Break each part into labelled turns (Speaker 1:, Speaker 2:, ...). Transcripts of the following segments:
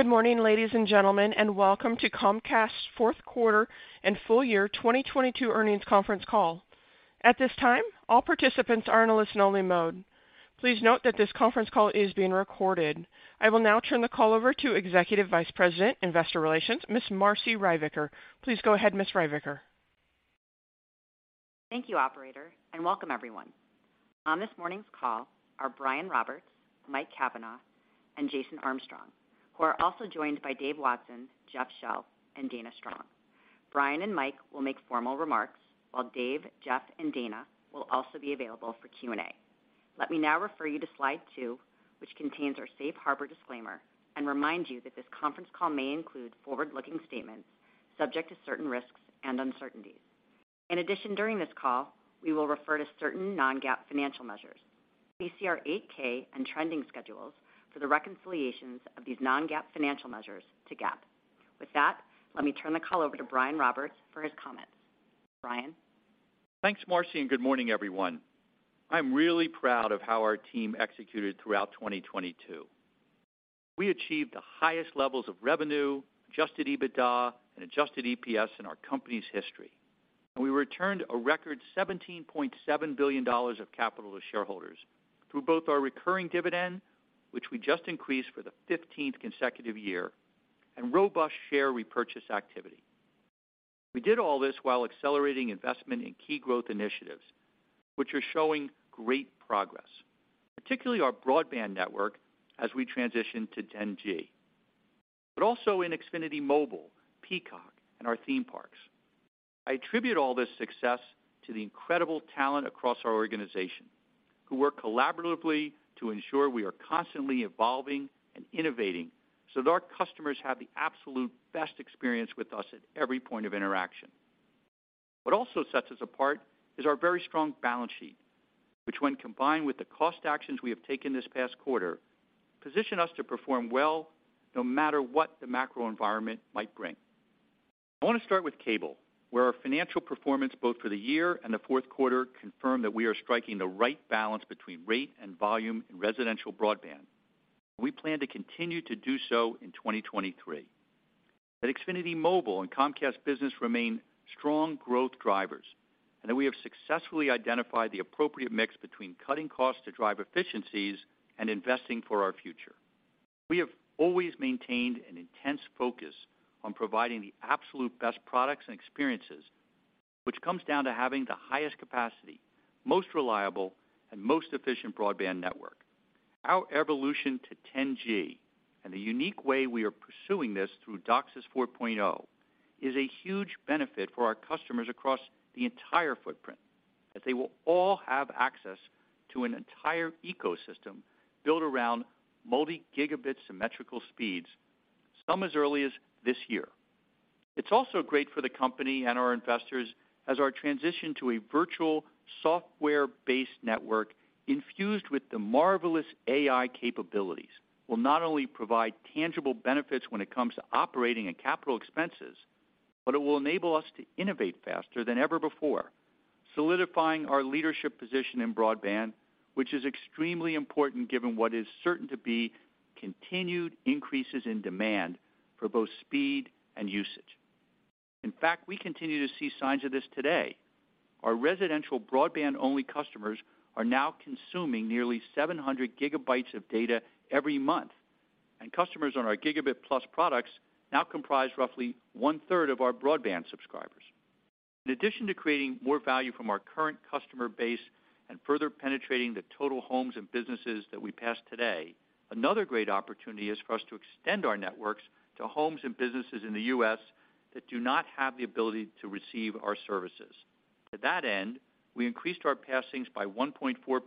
Speaker 1: Good morning, ladies and gentlemen, and welcome to Comcast's Q4 and full year 2022 earnings conference call. At this time, all participants are in a listen-only mode. Please note that this conference call is being recorded. I will now turn the call over to Executive Vice President, Investor Relations, Ms. Marci Ryvicker. Please go ahead, Ms. Ryvicker.
Speaker 2: Thank you, operator. Welcome everyone. On this morning's call are Brian Roberts, Mike Cavanagh, and Jason Armstrong, who are also joined by Dave Watson, Jeff Shell, and Dana Strong. Brian and Mike will make formal remarks, while Dave, Jeff, and Dana will also be available for Q&A. Let me now refer you to slide two, which contains our safe harbor disclaimer, and remind you that this conference call may include forward-looking statements subject to certain risks and uncertainties. In addition, during this call, we will refer to certain non-GAAP financial measures. Please see our 8-K and trending schedules for the reconciliations of these non-GAAP financial measures to GAAP. With that, let me turn the call over to Brian Roberts for his comments. Brian.
Speaker 3: Thanks, Marci. Good morning, everyone. I'm really proud of how our team executed throughout 2022. We achieved the highest levels of revenue, adjusted EBITDA, and adjusted EPS in our company's history. We returned a record $17.7 billion of capital to shareholders through both our recurring dividend, which we just increased for the fifteenth consecutive year, and robust share repurchase activity. We did all this while accelerating investment in key growth initiatives, which are showing great progress, particularly our broadband network as we transition to 10G, but also in Xfinity Mobile, Peacock, and our theme parks. I attribute all this success to the incredible talent across our organization who work collaboratively to ensure we are constantly evolving and innovating so that our customers have the absolute best experience with us at every point of interaction. What also sets us apart is our very strong balance sheet, which when combined with the cost actions we have taken this past quarter, position us to perform well no matter what the macro environment might bring. I wanna start with cable, where our financial performance both for the year and the Q4 confirm that we are striking the right balance between rate and volume in residential broadband. We plan to continue to do so in 2023. At Xfinity Mobile and Comcast Business remain strong growth drivers, and we have successfully identified the appropriate mix between cutting costs to drive efficiencies and investing for our future. We have always maintained an intense focus on providing the absolute best products and experiences, which comes down to having the highest capacity, most reliable, and most efficient broadband network. Our evolution to 10G and the unique way we are pursuing this through DOCSIS 4.0 is a huge benefit for our customers across the entire footprint, that they will all have access to an entire ecosystem built around multi-gigabit symmetrical speeds, some as early as this year. It's also great for the company and our investors as our transition to a virtual software-based network infused with the marvelous AI capabilities will not only provide tangible benefits when it comes to operating and capital expenses, but it will enable us to innovate faster than ever before, solidifying our leadership position in broadband, which is extremely important given what is certain to be continued increases in demand for both speed and usage. We continue to see signs of this today. Our residential broadband-only customers are now consuming nearly 700 GB of data every month. Customers on our gigabit-plus products now comprise roughly one-third of our broadband subscribers. In addition to creating more value from our current customer base and further penetrating the total homes and businesses that we pass today, another great opportunity is for us to extend our networks to homes and businesses in the U.S. that do not have the ability to receive our services. To that end, we increased our passings by 1.4% or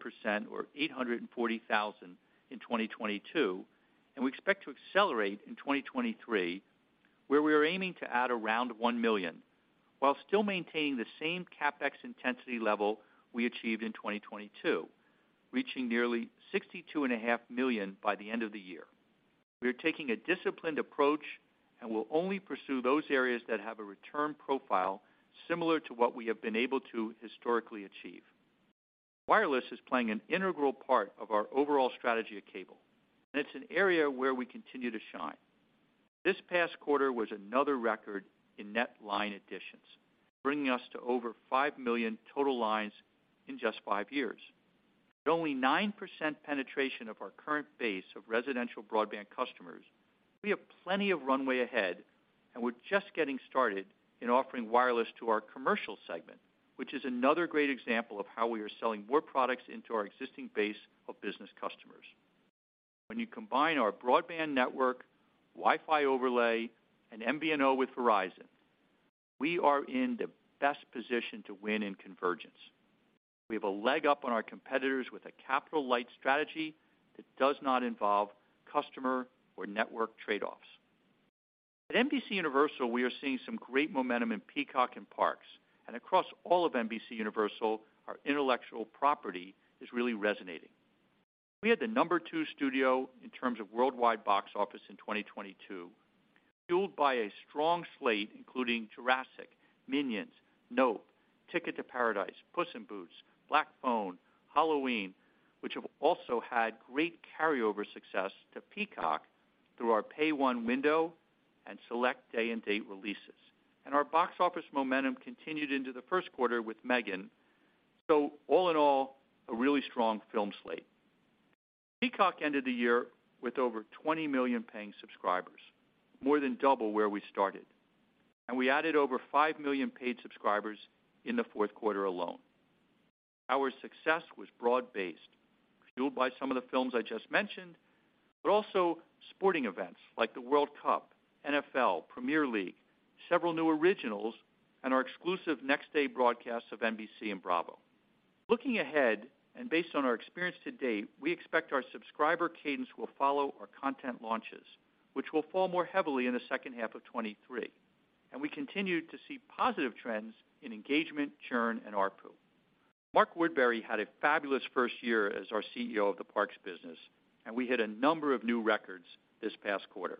Speaker 3: 840,000 in 2022. We expect to accelerate in 2023, where we are aiming to add around 1 million while still maintaining the same CapEx intensity level we achieved in 2022, reaching nearly 62.5 million by the end of the year. We are taking a disciplined approach and will only pursue those areas that have a return profile similar to what we have been able to historically achieve. Wireless is playing an integral part of our overall strategy at Cable, and it's an area where we continue to shine. This past quarter was another record in net line additions, bringing us to over 5 million total lines in just five years. With only 9% penetration of our current base of residential broadband customers, we have plenty of runway ahead, and we're just getting started in offering wireless to our commercial segment, which is another great example of how we are selling more products into our existing base of business customers. When you combine our broadband network, Wi-Fi overlay, and MVNO with Verizon, we are in the best position to win in convergence. We have a leg up on our competitors with a capital-light strategy that does not involve customer or network trade-offs. At NBCUniversal, we are seeing some great momentum in Peacock and Parks. Across all of NBCUniversal, our intellectual property is really resonating. We had the number two studio in terms of worldwide box office in 2022. Fueled by a strong slate, including Jurassic, Minions, Nope, Ticket to Paradise, Puss in Boots, The Black Phone, Halloween, which have also had great carryover success to Peacock through our pay-one window and select day-and-date releases. Our box office momentum continued into the Q1 with M3GAN. All in all, a really strong film slate. Peacock ended the year with over 20 million paying subscribers, more than double where we started, and we added over 5 million paid subscribers in the Q4 alone. Our success was broad-based, fueled by some of the films I just mentioned, but also sporting events like the FIFA World Cup, NFL, Premier League, several new originals, and our exclusive next-day broadcasts of NBC and Bravo. Looking ahead and based on our experience to date, we expect our subscriber cadence will follow our content launches, which will fall more heavily in the H2 of 2023. We continue to see positive trends in engagement, churn, and ARPU. Mark Woodbury had a fabulous first year as our CEO of the Parks business. We hit a number of new records this past quarter.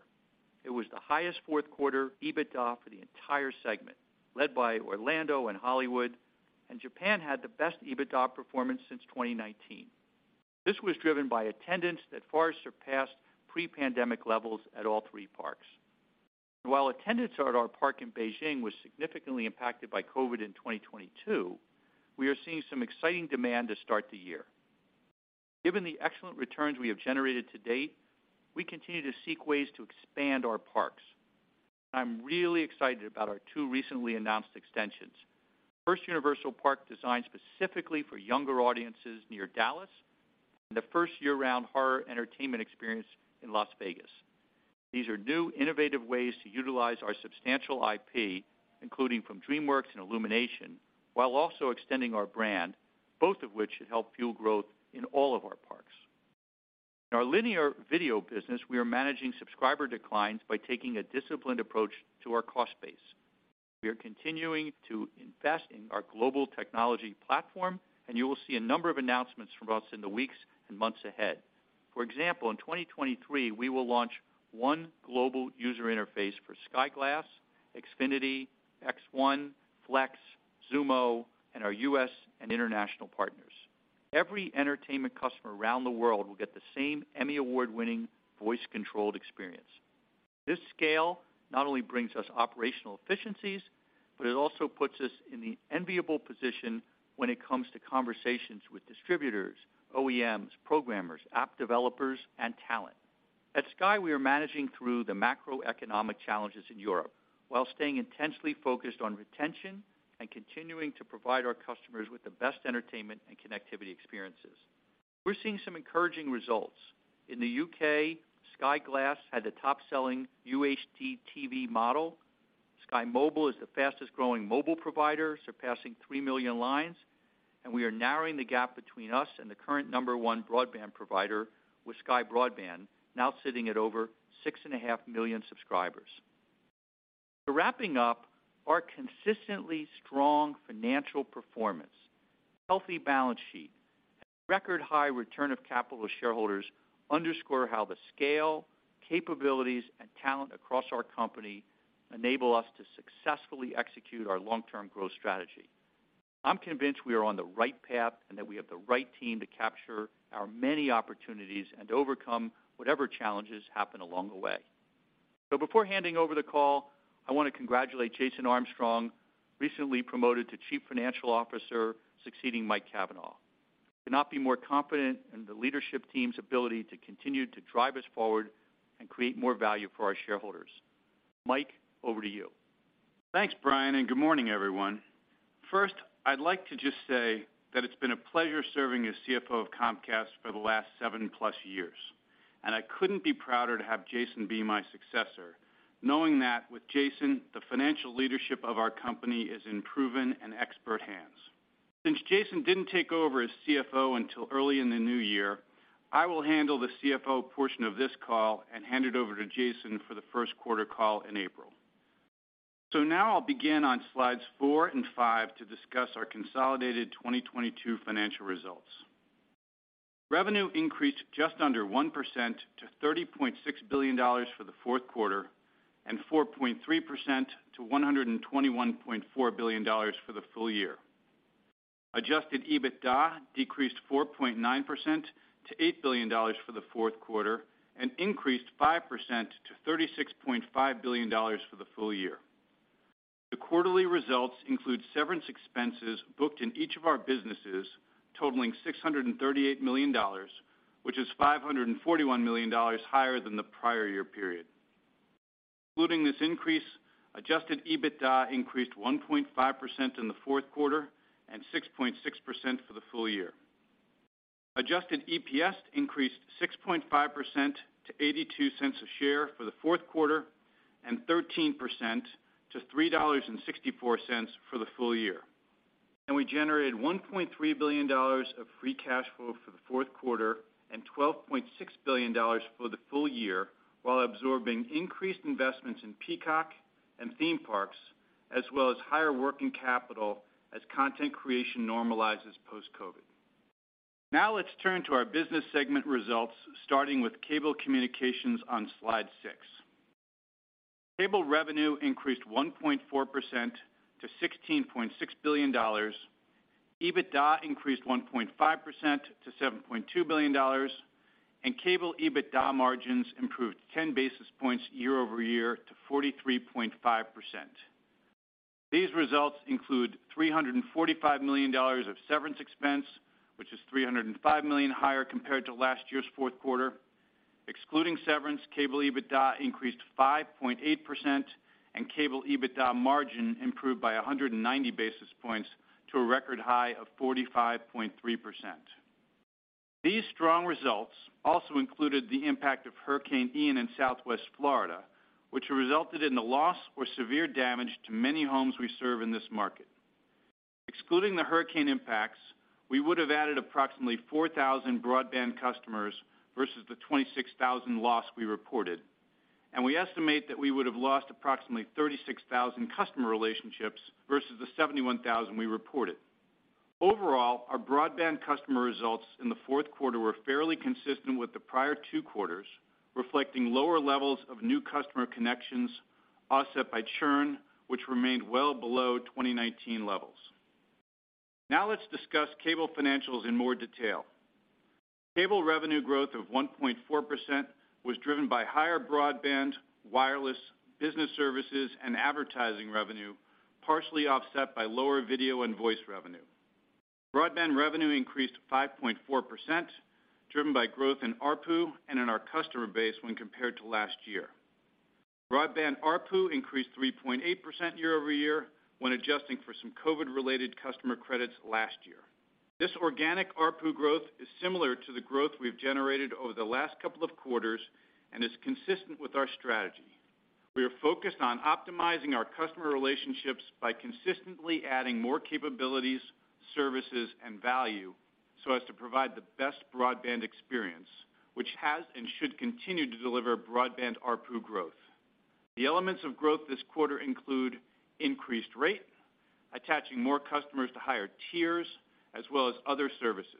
Speaker 3: It was the highest Q4 EBITDA for the entire segment, led by Orlando and Hollywood. Japan had the best EBITDA performance since 2019. This was driven by attendance that far surpassed pre-pandemic levels at all three parks. While attendance at our park in Beijing was significantly impacted by COVID in 2022, we are seeing some exciting demand to start the year. Given the excellent returns we have generated to date, we continue to seek ways to expand our parks. I'm really excited about our two recently announced extensions. First Universal park designed specifically for younger audiences near Dallas, and the first year-round horror entertainment experience in Las Vegas. These are new innovative ways to utilize our substantial IP, including from DreamWorks and Illumination, while also extending our brand, both of which should help fuel growth in all of our parks. In our linear video business, we are managing subscriber declines by taking a disciplined approach to our cost base. We are continuing to invest in our global technology platform, and you will see a number of announcements from us in the weeks and months ahead. For example, in 2023, we will launch one global user interface for Sky Glass, Xfinity, X1, Flex, Xumo, and our U.S. and international partners. Every entertainment customer around the world will get the same Emmy Award-winning voice-controlled experience. This scale not only brings us operational efficiencies, but it also puts us in the enviable position when it comes to conversations with distributors, OEMs, programmers, app developers, and talent. At Sky, we are managing through the macroeconomic challenges in Europe while staying intensely focused on retention and continuing to provide our customers with the best entertainment and connectivity experiences. We're seeing some encouraging results. In the U.K., Sky Glass had the top-selling UHD TV model. Sky Mobile is the fastest-growing mobile provider, surpassing 3 million lines. We are narrowing the gap between us and the current number one broadband provider, with Sky Broadband now sitting at over six and a half million subscribers. To wrapping up, our consistently strong financial performance, healthy balance sheet, and record high return of capital to shareholders underscore how the scale, capabilities, and talent across our company enable us to successfully execute our long-term growth strategy. I'm convinced we are on the right path and that we have the right team to capture our many opportunities and overcome whatever challenges happen along the way. Before handing over the call, I want to congratulate Jason Armstrong, recently promoted to Chief Financial Officer, succeeding Mike Cavanagh. Could not be more confident in the leadership team's ability to continue to drive us forward and create more value for our shareholders. Mike, over to you.
Speaker 4: Thanks, Brian. Good morning, everyone. First, I'd like to just say that it's been a pleasure serving as CFO of Comcast for the last seven-plus years, and I couldn't be prouder to have Jason be my successor, knowing that with Jason, the financial leadership of our company is in proven and expert hands. Since Jason didn't take over as CFO until early in the new year, I will handle the CFO portion of this call and hand it over to Jason for the Q1 call in April. Now I'll begin on slides four and five to discuss our consolidated 2022 financial results. Revenue increased just under 1% to $30.6 billion for the Q4 and 4.3% to $121.4 billion for the full year. Adjusted EBITDA decreased 4.9% to $8 billion for the Q4 and increased 5% to $36.5 billion for the full year. The quarterly results include severance expenses booked in each of our businesses, totaling $638 million, which is $541 million higher than the prior year period. Including this increase, adjusted EBITDA increased 1.5% in the Q4 and 6.6% for the full year. adjusted EPS increased 6.5% to $0.82 a share for the Q4 and 13% to $3.64 for the full year. We generated $1.3 billion of free cash flow for the Q4 and $12.6 billion for the full year while absorbing increased investments in Peacock and theme parks, as well as higher working capital as content creation normalizes post-COVID. Let's turn to our business segment results, starting with Cable Communications on slide six. Cable revenue increased 1.4% to $16.6 billion. EBITDA increased 1.5% to $7.2 billion, and Cable EBITDA margins improved 10 basis points year-over-year to 43.5%. These results include $345 million of severance expense, which is $305 million higher compared to last year's Q4. Excluding severance, cable EBITDA increased 5.8%, and cable EBITDA margin improved by 190 basis points to a record high of 45.3%. These strong results also included the impact of Hurricane Ian in Southwest Florida, which resulted in the loss or severe damage to many homes we serve in this market. Excluding the hurricane impacts, we would have added approximately 4,000 broadband customers versus the 26,000 loss we reported, and we estimate that we would have lost approximately 36,000 customer relationships versus the 71,000 we reported. Overall, our broadband customer results in the Q4 were fairly consistent with the prior two quarters, reflecting lower levels of new customer connections offset by churn, which remained well below 2019 levels. Now let's discuss cable financials in more detail. Cable revenue growth of 1.4% was driven by higher broadband, wireless, business services, and advertising revenue, partially offset by lower video and voice revenue. Broadband revenue increased 5.4%, driven by growth in ARPU and in our customer base when compared to last year. Broadband ARPU increased 3.8% year-over-year when adjusting for some COVID-related customer credits last year. This organic ARPU growth is similar to the growth we've generated over the last couple of quarters and is consistent with our strategy. We are focused on optimizing our customer relationships by consistently adding more capabilities, services, and value so as to provide the best broadband experience, which has and should continue to deliver broadband ARPU growth. The elements of growth this quarter include increased rate, attaching more customers to higher tiers, as well as other services.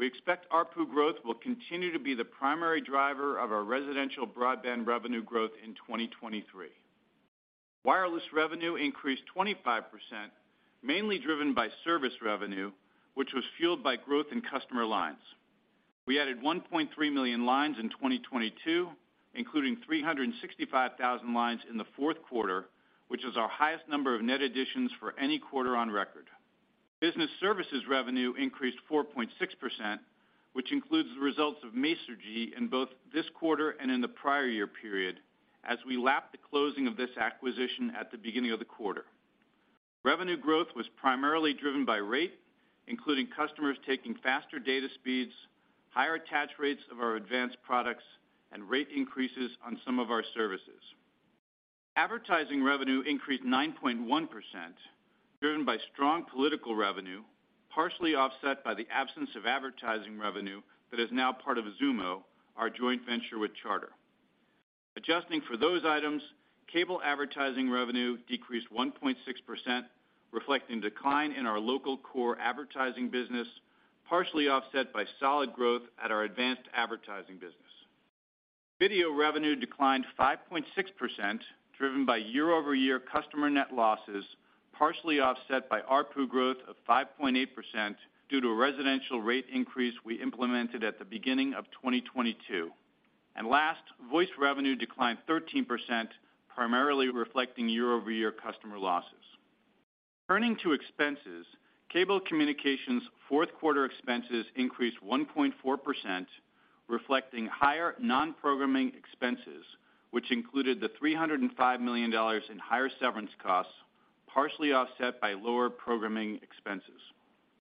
Speaker 4: We expect ARPU growth will continue to be the primary driver of our residential broadband revenue growth in 2023. Wireless revenue increased 25%, mainly driven by service revenue, which was fueled by growth in customer lines. We added 1.3 million lines in 2022, including 365,000 lines in the Q4, which is our highest number of net additions for any quarter on record. Business services revenue increased 4.6%, which includes the results of Masergy in both this quarter and in the prior year period as we lap the closing of this acquisition at the beginning of the quarter. Revenue growth was primarily driven by rate, including customers taking faster data speeds, higher attach rates of our advanced products, and rate increases on some of our services. Advertising revenue increased 9.1%, driven by strong political revenue, partially offset by the absence of advertising revenue that is now part of Xumo, our joint venture with Charter. Adjusting for those items, Cable advertising revenue decreased 1.6%, reflecting decline in our local core advertising business, partially offset by solid growth at our advanced advertising business. Video revenue declined 5.6%, driven by year-over-year customer net losses, partially offset by ARPU growth of 5.8% due to a residential rate increase we implemented at the beginning of 2022. Last, voice revenue declined 13%, primarily reflecting year-over-year customer losses. Turning to expenses, Cable Communications' Q4 expenses increased 1.4%, reflecting higher non-programming expenses, which included the $305 million in higher severance costs, partially offset by lower programming expenses.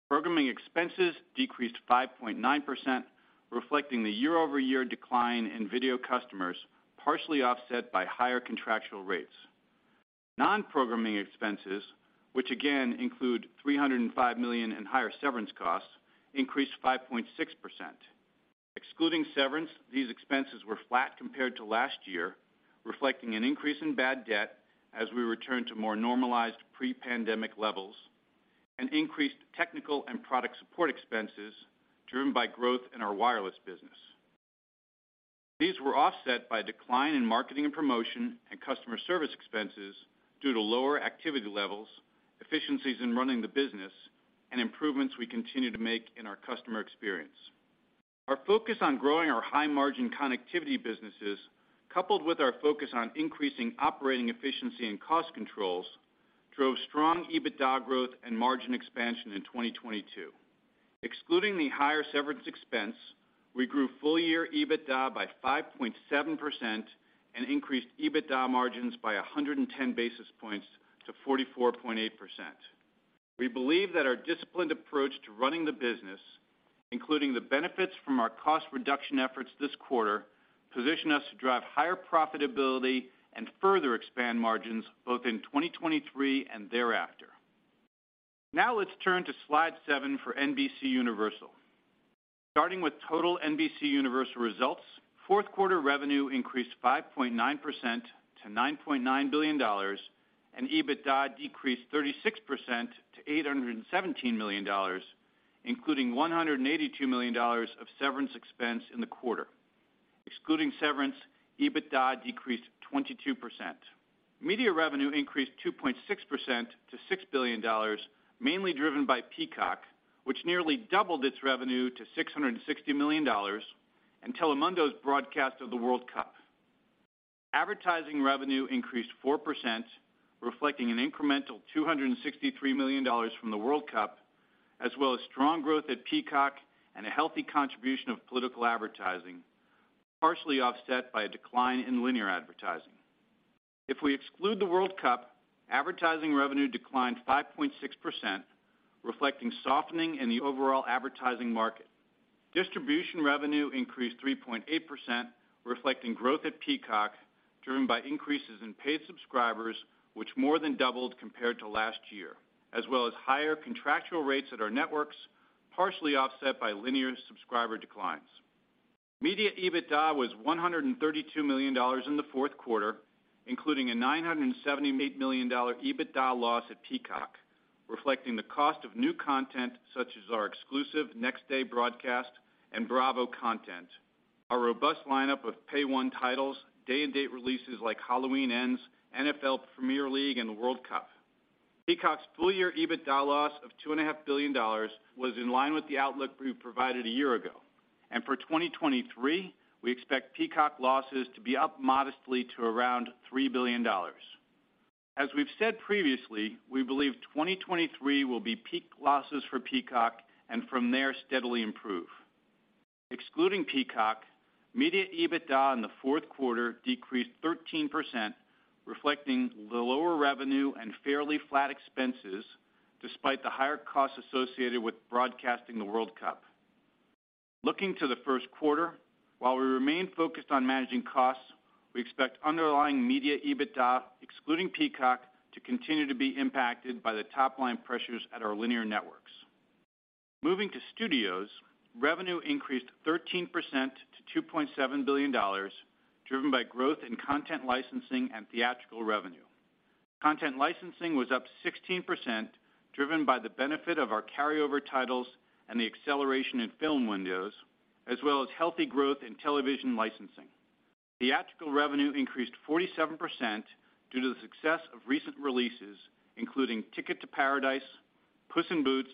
Speaker 4: Programming expenses decreased 5.9%, reflecting the year-over-year decline in video customers, partially offset by higher contractual rates. Non-programming expenses, which again include $305 million in higher severance costs, increased 5.6%. Excluding severance, these expenses were flat compared to last year, reflecting an increase in bad debt as we return to more normalized pre-pandemic levels and increased technical and product support expenses driven by growth in our wireless business. These were offset by a decline in marketing and promotion and customer service expenses due to lower activity levels, efficiencies in running the business, and improvements we continue to make in our customer experience. Our focus on growing our high-margin connectivity businesses, coupled with our focus on increasing operating efficiency and cost controls, drove strong EBITDA growth and margin expansion in 2022. Excluding the higher severance expense, we grew full year EBITDA by 5.7% and increased EBITDA margins by 110 basis points to 44.8%. We believe that our disciplined approach to running the business, including the benefits from our cost reduction efforts this quarter, position us to drive higher profitability and further expand margins both in 2023 and thereafter. Let's turn to Slide 7 for NBCUniversal. Starting with total NBCUniversal results, Q4 revenue increased 5.9% to $9.9 billion, and EBITDA decreased 36% to $817 million, including $182 million of severance expense in the quarter. Excluding severance, EBITDA decreased 22%. Media revenue increased 2.6% to $6 billion, mainly driven by Peacock, which nearly doubled its revenue to $660 million, and Telemundo's broadcast of the World Cup. Advertising revenue increased 4%, reflecting an incremental $263 million from the World Cup, as well as strong growth at Peacock and a healthy contribution of political advertising, partially offset by a decline in linear advertising. If we exclude the World Cup, advertising revenue declined 5.6%, reflecting softening in the overall advertising market. Distribution revenue increased 3.8%, reflecting growth at Peacock, driven by increases in paid subscribers, which more than doubled compared to last year, as well as higher contractual rates at our networks, partially offset by linear subscriber declines. Media EBITDA was $132 million in the Q4, including a $978 million EBITDA loss at Peacock, reflecting the cost of new content such as our exclusive next-day broadcast and Bravo content. Our robust lineup of pay-one titles, day-and-date releases like Halloween Ends, NFL Premier League and World Cup. Peacock's full year EBITDA loss of $2.5 billion was in line with the outlook we provided a year ago. For 2023, we expect Peacock losses to be up modestly to around $3 billion. As we've said previously, we believe 2023 will be peak losses for Peacock and from there steadily improve. Excluding Peacock, media EBITDA in the Q4 decreased 13%, reflecting the lower revenue and fairly flat expenses despite the higher costs associated with broadcasting the World Cup. Looking to the Q1, while we remain focused on managing costs, we expect underlying media EBITDA excluding Peacock, to continue to be impacted by the top line pressures at our linear networks. Moving to studios, revenue increased 13% to $2.7 billion, driven by growth in content licensing and theatrical revenue. Content licensing was up 16%, driven by the benefit of our carryover titles and the acceleration in film windows, as well as healthy growth in television licensing. Theatrical revenue increased 47% due to the success of recent releases, including Ticket to Paradise, Puss in Boots,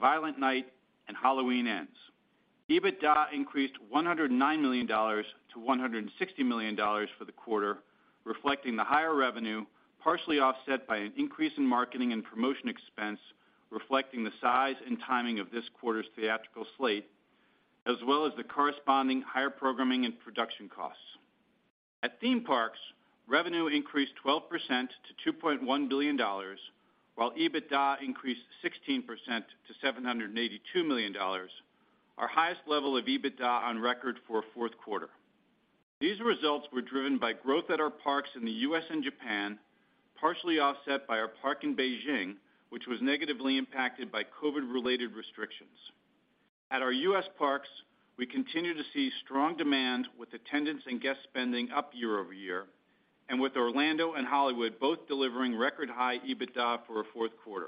Speaker 4: Violent Night, and Halloween Ends. EBITDA increased $109 million to $160 million for the quarter, reflecting the higher revenue, partially offset by an increase in marketing and promotion expense, reflecting the size and timing of this quarter's theatrical slate, as well as the corresponding higher programming and production costs. At theme parks, revenue increased 12% to $2.1 billion, while EBITDA increased 16% to $782 million, our highest level of EBITDA on record for a Q4. These results were driven by growth at our parks in the U.S. and Japan, partially offset by our park in Beijing, which was negatively impacted by COVID-related restrictions. At our U.S. parks, we continue to see strong demand with attendance and guest spending up year-over-year, and with Orlando and Hollywood both delivering record high EBITDA for a Q4.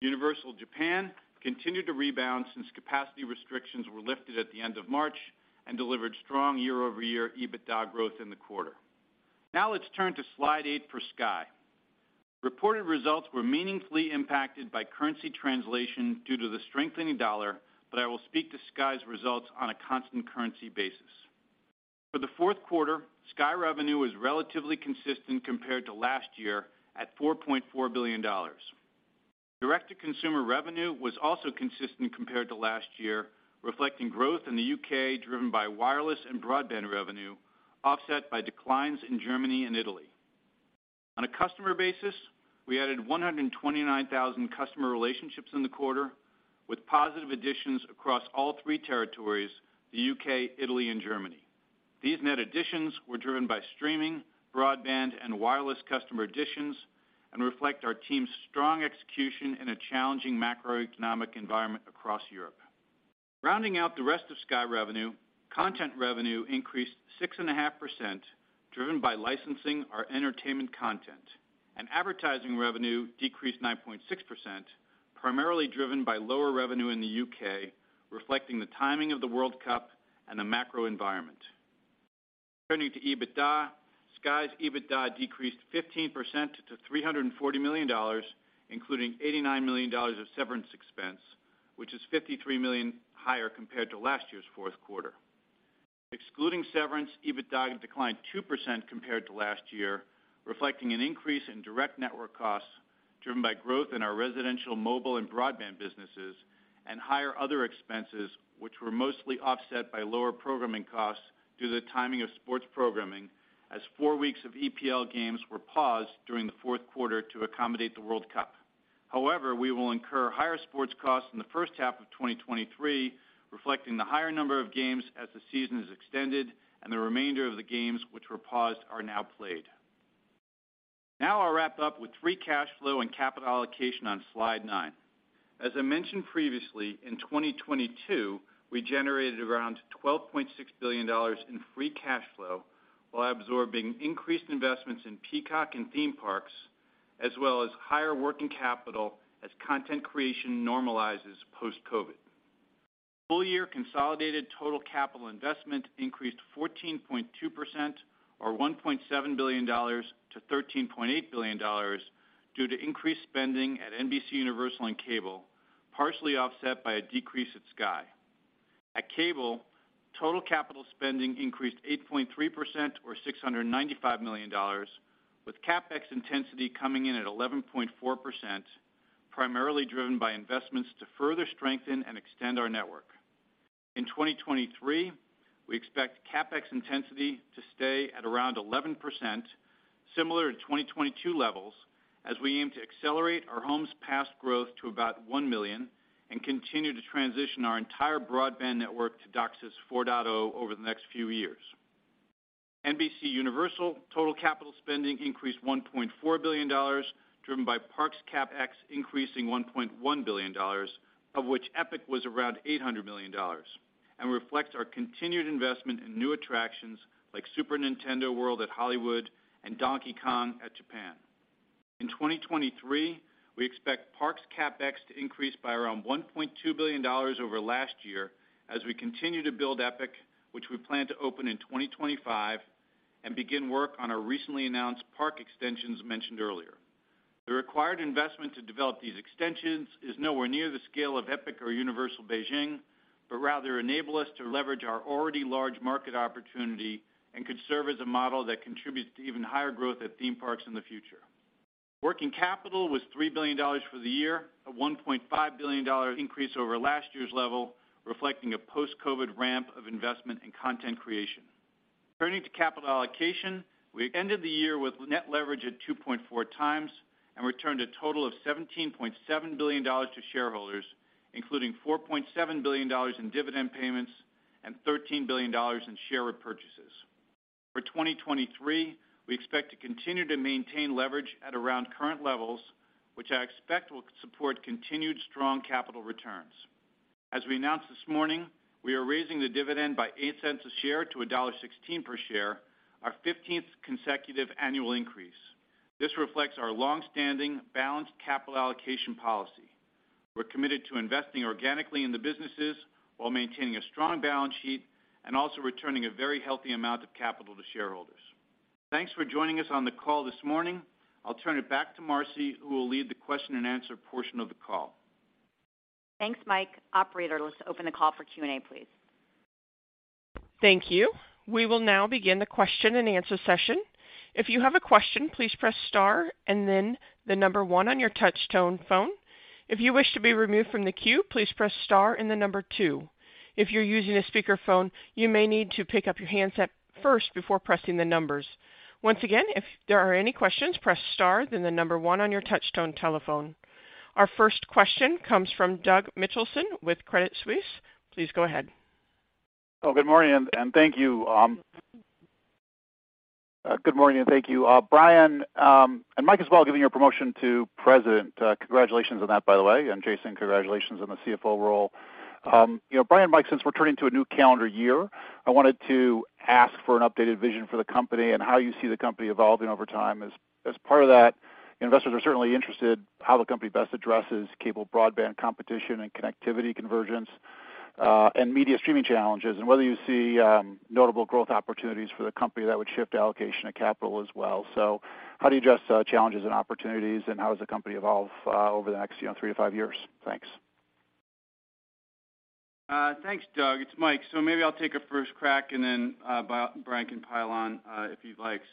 Speaker 4: Universal Studios Japan continued to rebound since capacity restrictions were lifted at the end of March and delivered strong year-over-year EBITDA growth in the quarter. Let's turn to slide 8 for Sky. Reported results were meaningfully impacted by currency translation due to the strengthening dollar. I will speak to Sky's results on a constant currency basis. For the Q4, Sky revenue was relatively consistent compared to last year at $4.4 billion. Direct-to-consumer revenue was also consistent compared to last year, reflecting growth in the U.K. driven by wireless and broadband revenue, offset by declines in Germany and Italy. On a customer basis, we added 129,000 customer relationships in the quarter, with positive additions across all three territories, the U.K., Italy, and Germany. These net additions were driven by streaming, broadband, and wireless customer additions and reflect our team's strong execution in a challenging macroeconomic environment across Europe. Rounding out the rest of Sky revenue, content revenue increased 6.5%, driven by licensing our entertainment content. Advertising revenue decreased 9.6%, primarily driven by lower revenue in the U.K., reflecting the timing of the World Cup and the macro environment. Turning to EBITDA, Sky's EBITDA decreased 15% to $340 million, including $89 million of severance expense, which is $53 million higher compared to last year's Q4. Excluding severance, EBITDA declined 2% compared to last year, reflecting an increase in direct network costs driven by growth in our residential, mobile, and broadband businesses, and higher other expenses which were mostly offset by lower programming costs due to the timing of sports programming as four weeks of EPL games were paused during the Q4 to accommodate the World Cup. We will incur higher sports costs in the H1 of 2023, reflecting the higher number of games as the season is extended and the remainder of the games which were paused are now played. I'll wrap up with free cash flow and capital allocation on slide 9. As I mentioned previously, in 2022, we generated around $12.6 billion in free cash flow while absorbing increased investments in Peacock and theme parks, as well as higher working capital as content creation normalizes post-COVID. Full year consolidated total capital investment increased 14.2% or $1.7 billion to $13.8 billion due to increased spending at NBCUniversal and Cable, partially offset by a decrease at Sky. At Cable, total capital spending increased 8.3% or $695 million, with CapEx intensity coming in at 11.4%, primarily driven by investments to further strengthen and extend our network. In 2023, we expect CapEx intensity to stay at around 11%, similar to 2022 levels, as we aim to accelerate our homes past growth to about 1 million and continue to transition our entire broadband network to DOCSIS 4.0 over the next few years. NBCUniversal total capital spending increased $1.4 billion, driven by Parks CapEx increasing $1.1 billion, of which Epic was around $800 million and reflects our continued investment in new attractions like Super Nintendo World at Hollywood and Donkey Kong at Japan. In 2023, we expect Parks CapEx to increase by around $1.2 billion over last year as we continue to build Epic, which we plan to open in 2025 and begin work on our recently announced park extensions mentioned earlier. The required investment to develop these extensions is nowhere near the scale of Epic Universe or Universal Beijing Resort, but rather enable us to leverage our already large market opportunity and could serve as a model that contributes to even higher growth at theme parks in the future. Working capital was $3 billion for the year, a $1.5 billion increase over last year's level, reflecting a post-COVID ramp of investment in content creation. Turning to capital allocation, we ended the year with net leverage at 2.4 times and returned a total of $17.7 billion to shareholders, including $4.7 billion in dividend payments and $13 billion in share repurchases. For 2023, we expect to continue to maintain leverage at around current levels, which I expect will support continued strong capital returns. As we announced this morning, we are raising the dividend by $0.08 a share to $1.16 per share, our 15th consecutive annual increase. This reflects our long-standing balanced capital allocation policy. We're committed to investing organically in the businesses while maintaining a strong balance sheet and also returning a very healthy amount of capital to shareholders. Thanks for joining us on the call this morning. I'll turn it back to Marci, who will lead the question-and-answer portion of the call.
Speaker 2: Thanks, Mike. Operator, let's open the call for Q&A, please.
Speaker 1: Thank you. We will now begin the question-and-answer session. If you have a question, please press star and then the number one on your touch tone phone. If you wish to be removed from the queue, please press star and the number two. If you're using a speakerphone, you may need to pick up your handset first before pressing the numbers. Once again, if there are any questions, press star then the number one on your touchtone telephone. Our first question comes from Douglas Mitchelson with Credit Suisse. Please go ahead.
Speaker 5: Good morning and thank you. Good morning and thank you. Brian and Mike as well, giving your promotion to President. Congratulations on that, by the way. Jason, congratulations on the CFO role. You know, Brian and Mike, since we're turning to a new calendar year, I wanted to ask for an updated vision for the company and how you see the company evolving over time. As part of that, investors are certainly interested how the company best addresses cable broadband competition and connectivity convergence and media streaming challenges and whether you see notable growth opportunities for the company that would shift allocation of capital as well. How do you address challenges and opportunities and how does the company evolve over the next, you know, three to five years? Thanks.
Speaker 4: Thanks, Doug. It's Mike. Maybe I'll take a first crack and then Brian can pile on if he'd likes.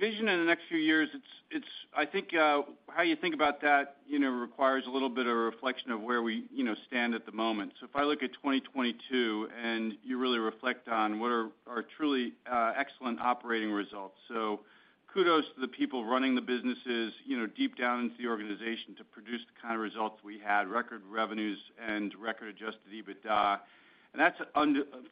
Speaker 4: Vision in the next few years, it's I think how you think about that, you know, requires a little bit of reflection of where we, you know, stand at the moment. If I look at 2022 and you really reflect on what are truly excellent operating results. Kudos to the people running the businesses, you know, deep down into the organization to produce the kind of results we had, record revenues and record adjusted EBITDA. That's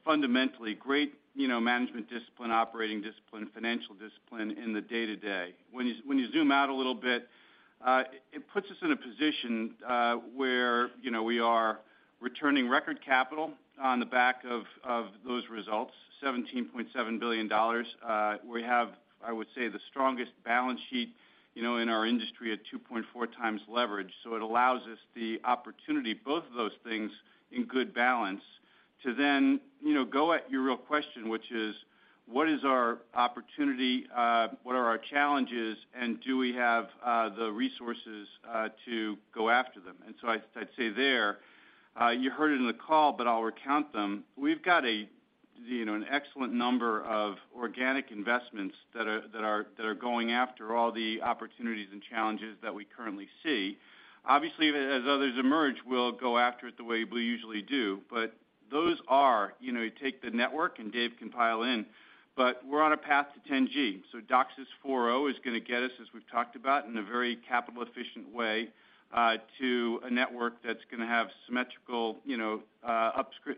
Speaker 4: fundamentally great, you know, management discipline, operating discipline, financial discipline in the day-to-day. When you zoom out a little bit, it puts us in a position, where, you know, we are returning record capital on the back of those results, $17.7 billion. We have, I would say, the strongest balance sheet, you know, in our industry at 2.4 times leverage. It allows us the opportunity, both of those things in good balance, to then, you know, go at your real question, which is: What is our opportunity, what are our challenges, and do we have the resources to go after them? I'd say there, you heard it in the call, but I'll recount them. We've got a, you know, an excellent number of organic investments that are going after all the opportunities and challenges that we currently see. Obviously, as others emerge, we'll go after it the way we usually do. Those are, you know, you take the network and Dave can pile in, but we're on a path to 10G. DOCSIS 4.0 is gonna get us, as we've talked about, in a very capital efficient way, to a network that's gonna have symmetrical, you know,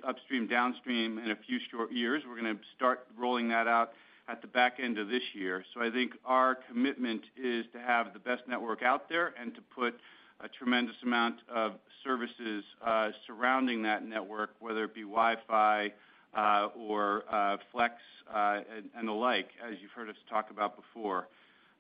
Speaker 4: upstream, downstream in a few short years. We're gonna start rolling that out at the back end of this year. I think our commitment is to have the best network out there and to put a tremendous amount of services surrounding that network, whether it be Wi-Fi, or Flex, and the like, as you've heard us talk about before.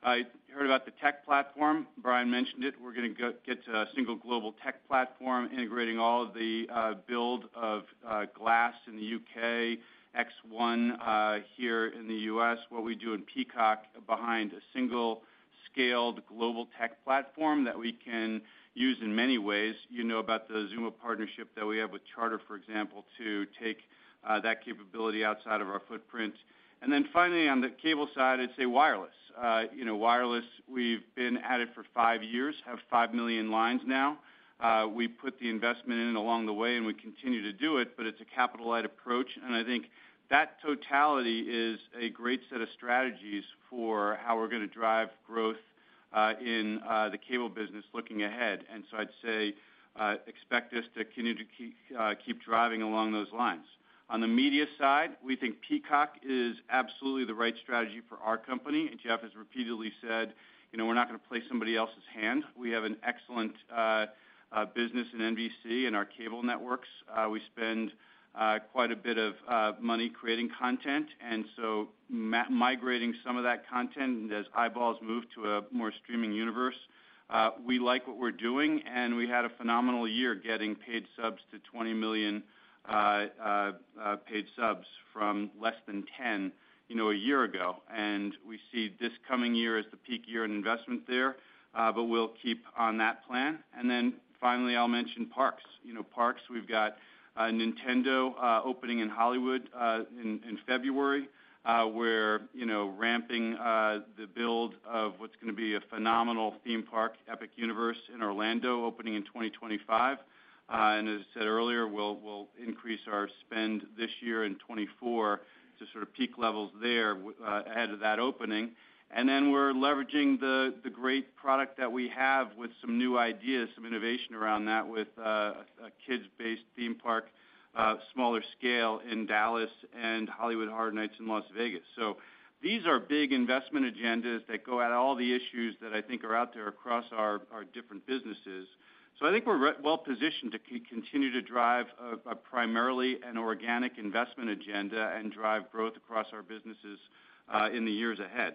Speaker 4: You heard about the tech platform. Brian mentioned it. We're gonna get to a single global tech platform, integrating all of the build of Sky Glass in the U.K., X1 here in the U.S., what we do in Peacock behind a single scaled global tech platform that we can use in many ways. You know about the Xumo partnership that we have with Charter, for example, to take that capability outside of our footprint. Finally, on the cable side, I'd say wireless. You know, wireless, we've been at it for five years, have 5 million lines now. We put the investment in it along the way, and we continue to do it, but it's a capital-light approach. I think that totality is a great set of strategies for how we're gonna drive growth in the cable business looking ahead. I'd say, expect us to continue to keep driving along those lines. On the media side, we think Peacock is absolutely the right strategy for our company. Jeff has repeatedly said, you know, we're not gonna play somebody else's hand. We have an excellent business in NBC and our cable networks. We spend quite a bit of money creating content, migrating some of that content as eyeballs move to a more streaming universe. We like what we're doing, we had a phenomenal year getting paid subs to 20 million paid subs from less than 10, you know, a year ago. We see this coming year as the peak year in investment there, but we'll keep on that plan. Finally, I'll mention parks. You know, parks, we've got Nintendo opening in Hollywood in February. We're, you know, ramping the build of what's gonna be a phenomenal theme park, Epic Universe in Orlando, opening in 2025. As I said earlier, we'll increase our spend this year in 2024 to sort of peak levels there ahead of that opening. Then we're leveraging the great product that we have with some new ideas, some innovation around that with a kids-based theme park, smaller scale in Dallas and Hollywood Hard Rock in Las Vegas. These are big investment agendas that go at all the issues that I think are out there across our different businesses. I think we're well-positioned to continue to drive a primarily an organic investment agenda and drive growth across our businesses, in the years ahead.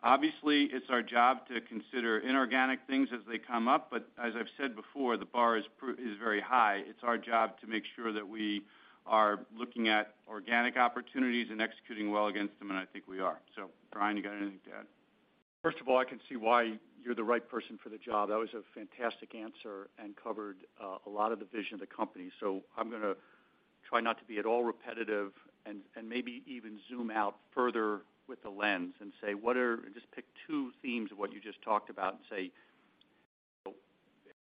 Speaker 4: Obviously, it's our job to consider inorganic things as they come up, but as I've said before, the bar is very high. It's our job to make sure that we are looking at organic opportunities and executing well against them, and I think we are. Brian, you got anything to add?
Speaker 3: First of all, I can see why you're the right person for the job. That was a fantastic answer and covered a lot of the vision of the company. I'm gonna try not to be at all repetitive and maybe even zoom out further with the lens and say, Just pick two themes of what you just talked about and say,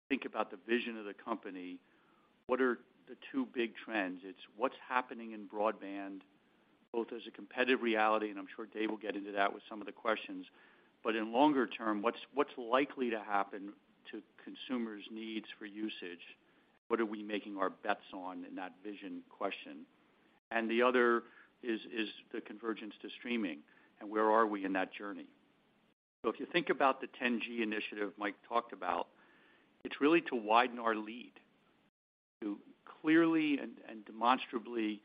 Speaker 3: think about the vision of the company. What are the two big trends? It's what's happening in broadband, both as a competitive reality, and I'm sure Dave will get into that with some of the questions. In longer term, what's likely to happen to consumers' needs for usage? What are we making our bets on in that vision question? The other is the convergence to streaming, and where are we in that journey? If you think about the 10G initiative Mike talked about, it's really to widen our lead, to clearly and demonstrably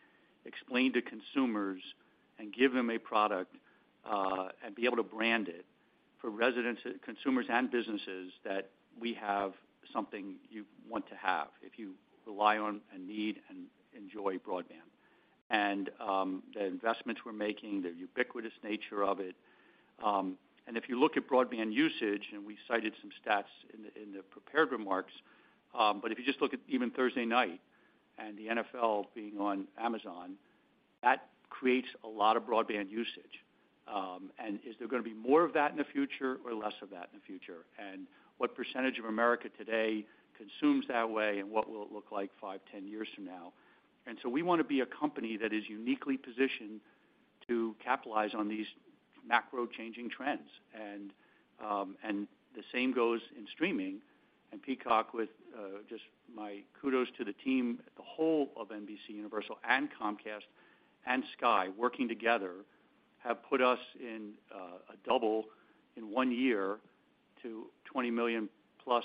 Speaker 3: explain to consumers and give them a product, and be able to brand it for residents, consumers and businesses that we have something you want to have if you rely on a need and enjoy broadband. The investments we're making, the ubiquitous nature of it. If you look at broadband usage, and we cited some stats in the, in the prepared remarks, but if you just look at even Thursday night and the NFL being on Amazon, that creates a lot of broadband usage. Is there gonna be more of that in the future or less of that in the future? What % of America today consumes that way, and what will it look like five, 10 years from now? We wanna be a company that is uniquely positioned to capitalize on these macro changing trends. The same goes in streaming and Peacock with just my kudos to the team, the whole of NBCUniversal and Comcast and Sky working together have put us in a double in one year to 20 million-plus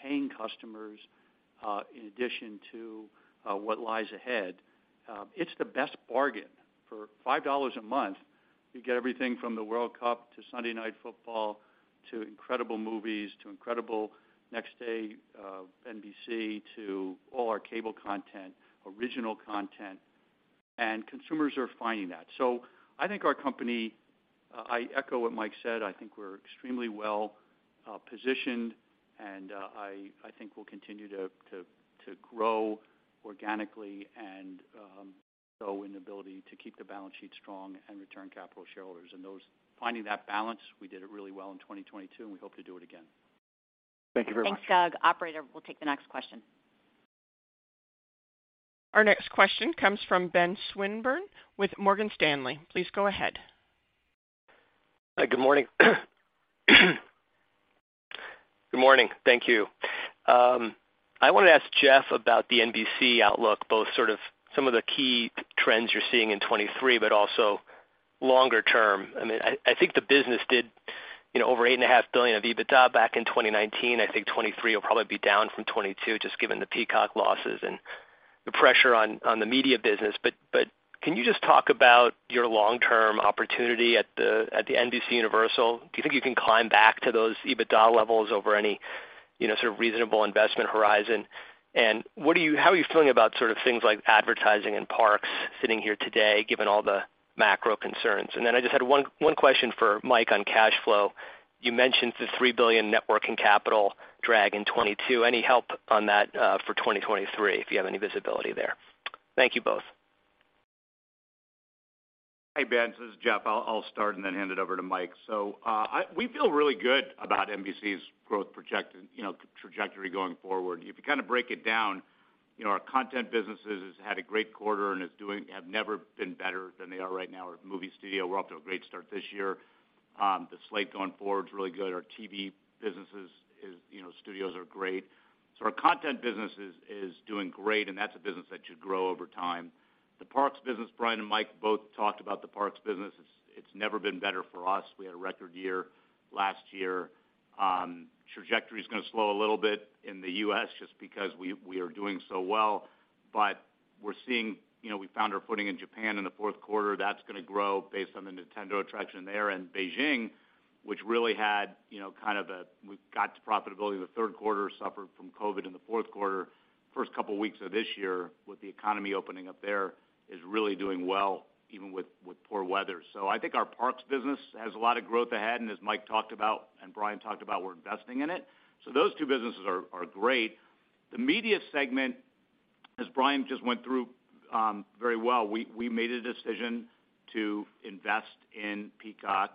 Speaker 3: paying customers in addition to what lies ahead. It's the best bargain. For $5 a month, you get everything from the World Cup to Sunday Night Football to incredible movies to incredible next day NBC to all our cable content, original content. Consumers are finding that. I think our company, I echo what Mike said. I think we're extremely well positioned, and I think we'll continue to grow organically and show an ability to keep the balance sheet strong and return capital to shareholders. Those, finding that balance, we did it really well in 2022, and we hope to do it again.
Speaker 5: Thank you very much.
Speaker 2: Thanks, Doug. Operator, we'll take the next question.
Speaker 1: Our next question comes from Ben Swinburne with Morgan Stanley. Please go ahead.
Speaker 6: Hi. Good morning. Good morning. Thank you. I want to ask Jeff about the NBC outlook, both sort of some of the key trends you're seeing in 23, but also longer term, I mean, I think the business did over $8.5 billion of EBITDA back in 2019. I think 23 will probably be down from 22 just given the Peacock losses and the pressure on the media business. But can you just talk about your long-term opportunity at the NBCUniversal? Do you think you can climb back to those EBITDA levels over any, you know, sort of reasonable investment horizon? And how are you feeling about sort of things like advertising in parks sitting here today, given all the macro concerns? And then I just had one question for Mike on cash flow. You mentioned the $3 billion net working capital drag in 2022. Any help on that for 2023, if you have any visibility there? Thank you both.
Speaker 7: Hey, Ben, this is Jeff. I'll start and then hand it over to Mike. We feel really good about NBC's growth, you know, trajectory going forward. If you kind of break it down, you know, our content businesses has had a great quarter and have never been better than they are right now. Our movie studio, we're off to a great start this year. The slate going forward is really good. Our TV businesses is, you know, studios are great. Our content business is doing great, and that's a business that should grow over time. The parks business, Brian and Mike both talked about the parks business. It's never been better for us. We had a record year last year. Trajectory is gonna slow a little bit in the U.S. just because we are doing so well. We're seeing, you know, we found our footing in Japan in the Q4. That's gonna grow based on the Nintendo attraction there in Beijing, which really had, you know, we got to profitability in the Q3, suffered from COVID in the Q4. First couple of weeks of this year with the economy opening up there is really doing well, even with poor weather. I think our parks business has a lot of growth ahead. As Mike talked about and Brian talked about, we're investing in it. Those two businesses are great. The media segment, as Brian just went through, very well, we made a decision to invest in Peacock.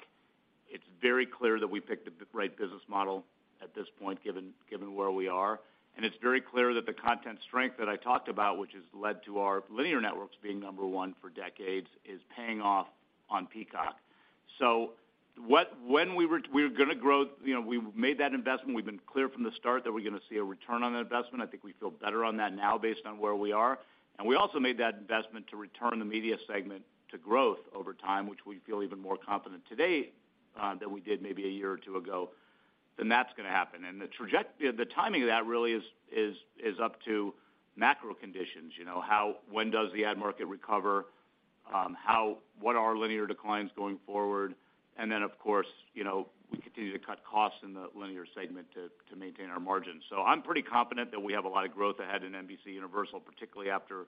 Speaker 7: It's very clear that we picked the right business model at this point, given where we are. It's very clear that the content strength that I talked about, which has led to our linear networks being number one for decades, is paying off on Peacock. We're gonna grow, you know, we made that investment. We've been clear from the start that we're gonna see a return on that investment. I think we feel better on that now based on where we are. We also made that investment to return the media segment to growth over time, which we feel even more confident today than we did maybe a year or two ago, then that's gonna happen. The timing of that really is up to macro conditions. You know, when does the ad market recover, what are linear declines going forward? Of course, you know, we continue to cut costs in the linear segment to maintain our margins. I'm pretty confident that we have a lot of growth ahead in NBCUniversal, particularly after,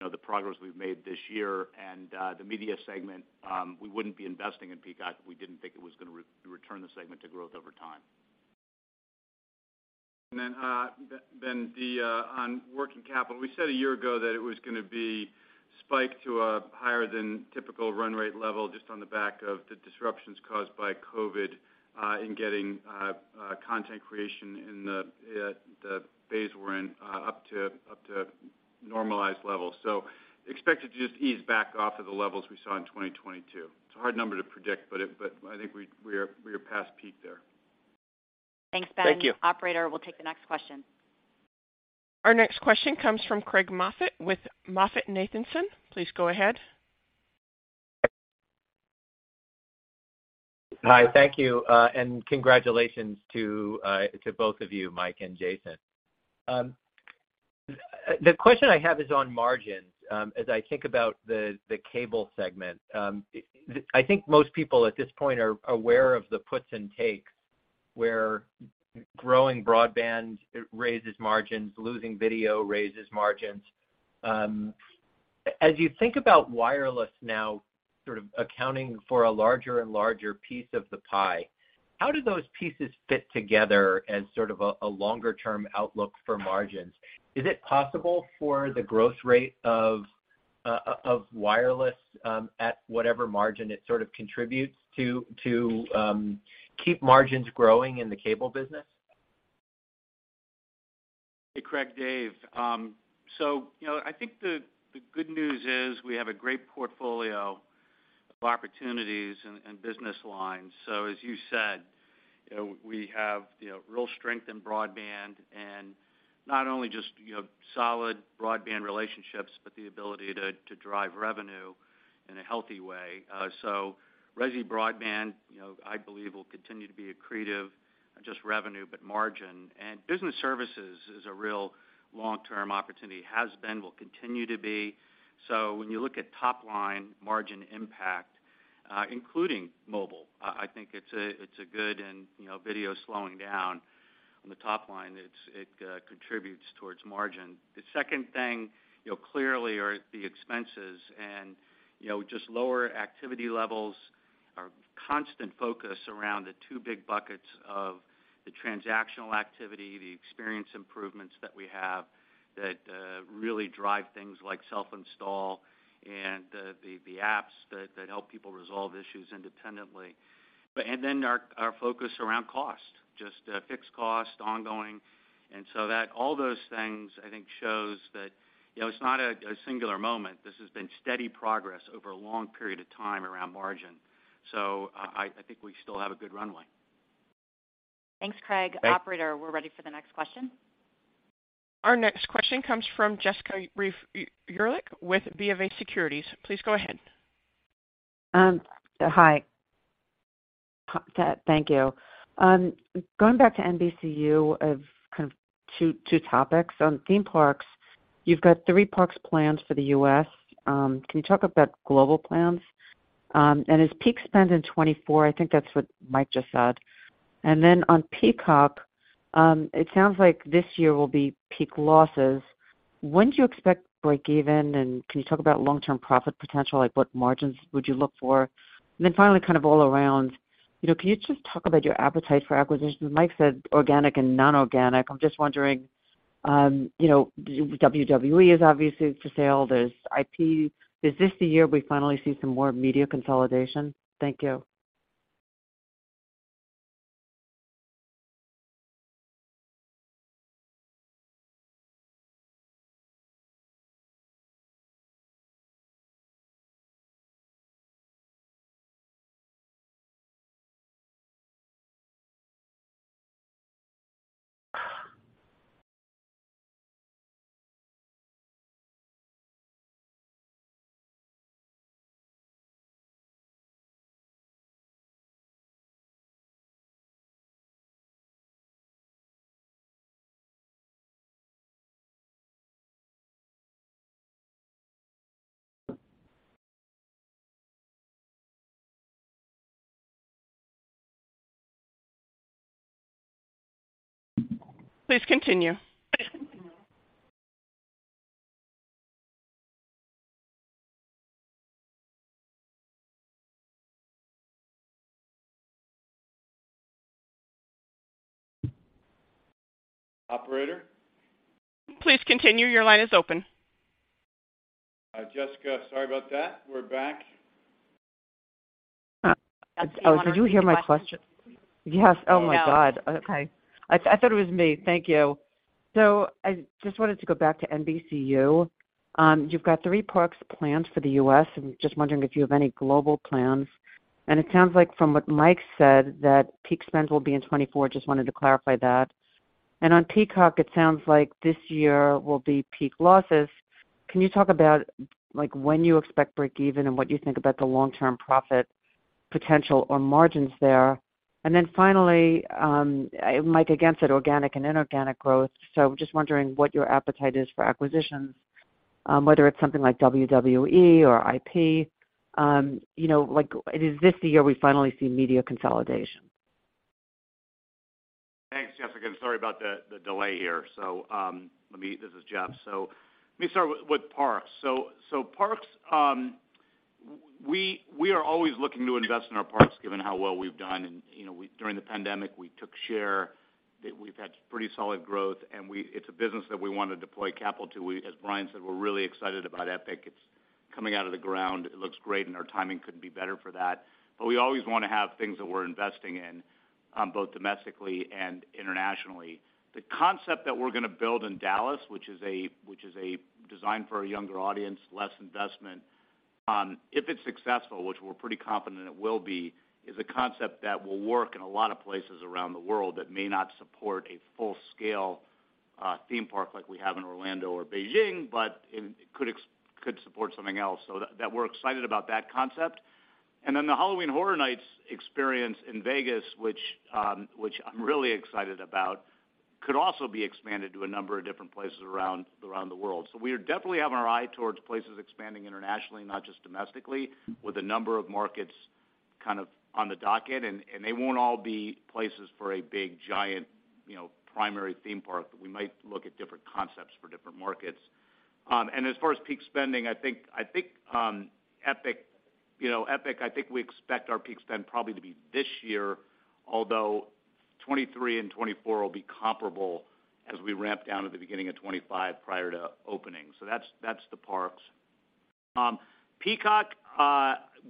Speaker 7: you know, the progress we've made this year and the media segment, we wouldn't be investing in Peacock if we didn't think it was gonna return the segment to growth over time.
Speaker 8: On working capital, we said a year ago that it was gonna be spiked to a higher than typical run rate level just on the back of the disruptions caused by COVID, in getting content creation in the phase we're in up to normalized levels. Expect it to just ease back off of the levels we saw in 2022. It's a hard number to predict, but I think we are past peak there.
Speaker 6: Thank you.
Speaker 2: Operator, we'll take the next question.
Speaker 1: Our next question comes from Craig Moffett with MoffettNathanson. Please go ahead.
Speaker 9: Hi, thank you. Congratulations to both of you, Mike and Jason. The question I have is on margins. As I think about the cable segment, I think most people at this point are aware of the puts and takes, where growing broadband raises margins, losing video raises margins. As you think about wireless now sort of accounting for a larger and larger piece of the pie, how do those pieces fit together as sort of a longer-term outlook for margins? Is it possible for the growth rate of wireless, at whatever margin it sort of contributes to, keep margins growing in the cable business?
Speaker 8: Hey, Craig, Dave. You know, I think the good news is we have a great portfolio of opportunities and business lines. As you said, you know, we have, you know, real strength in broadband and not only just, you know, solid broadband relationships, but the ability to drive revenue in a healthy way. Resi broadband, you know, I believe will continue to be accretive, not just revenue, but margin. Business services is a real long-term opportunity, has been, will continue to be. When you look at top line margin impact, including mobile, I think it's a, it's a good and, you know, video is slowing down on the top line. It contributes towards margin. The second thing, you know, clearly are the expenses and, you know, just lower activity levels, our constant focus around the two big buckets of the transactional activity, the experience improvements that we have that really drive things like self-install and the apps that help people resolve issues independently. Our focus around cost, just fixed cost, ongoing. That all those things, I think shows that, you know, it's not a singular moment. This has been steady progress over a long period of time around margin. I think we still have a good runway.
Speaker 2: Thanks, Craig.
Speaker 9: Thanks.
Speaker 2: Operator, we're ready for the next question.
Speaker 1: Our next question comes from Jessica Reif Ehrlich with BofA Securities. Please go ahead.
Speaker 10: Hi. Thank you. Going back to NBCU of kind of two topics. On theme parks, you've got three parks planned for the U.S. Can you talk about global plans? Is peak spend in 2024? I think that's what Mike just said. On Peacock, it sounds like this year will be peak losses. When do you expect breakeven? Can you talk about long-term profit potential? Like, what margins would you look for? Finally, kind of all around, you know, can you just talk about your appetite for acquisitions? Mike said organic and non-organic. I'm just wondering, you know, WWE is obviously for sale. There's IP. Is this the year we finally see some more media consolidation? Thank you.
Speaker 2: Please continue.
Speaker 7: Operator?
Speaker 2: Please continue. Your line is open.
Speaker 7: Jessica, sorry about that. We're back.
Speaker 10: Oh, did you hear my question?
Speaker 4: Do you want to repeat the question?
Speaker 10: Yes. Oh, my God.
Speaker 4: There you go.
Speaker 10: Okay. I thought it was me. Thank you. I just wanted to go back to NBCU. You've got three parks planned for the U.S., and just wondering if you have any global plans. It sounds like from what Mike said, that peak spend will be in 2024. Just wanted to clarify that. On Peacock, it sounds like this year will be peak losses. Can you talk about, like, when you expect breakeven and what you think about the long-term profit potential or margins there? Finally, Mike, again, said organic and inorganic growth. Just wondering what your appetite is for acquisitions, whether it's something like WWE or IP. You know, like, is this the year we finally see media consolidation?
Speaker 7: Thanks, Jessica, sorry about the delay here. This is Jeff. Let me start with parks. Parks, we are always looking to invest in our parks given how well we've done. You know, during the pandemic, we took share. We've had pretty solid growth, it's a business that we want to deploy capital to. As Brian said, we're really excited about Epic. It's coming out of the ground, it looks great, our timing couldn't be better for that. We always wanna have things that we're investing in, both domestically and internationally. The concept that we're gonna build in Dallas, which is a, which is a design for a younger audience, less investment, if it's successful, which we're pretty confident it will be, is a concept that will work in a lot of places around the world that may not support a full-scale theme park like we have in Orlando or Beijing, but it could support something else. We're excited about that concept. The Halloween Horror Nights experience in Vegas, which I'm really excited about, could also be expanded to a number of different places around the world. We definitely have our eye towards places expanding internationally, not just domestically, with a number of markets kind of on the docket. They won't all be places for a big, giant, you know, primary theme park. We might look at different concepts for different markets. As far as peak spending, I think Epic, you know, we expect our peak spend probably to be this year, although 23 and 24 will be comparable as we ramp down at the beginning of 25 prior to opening. That's the parks. Peacock,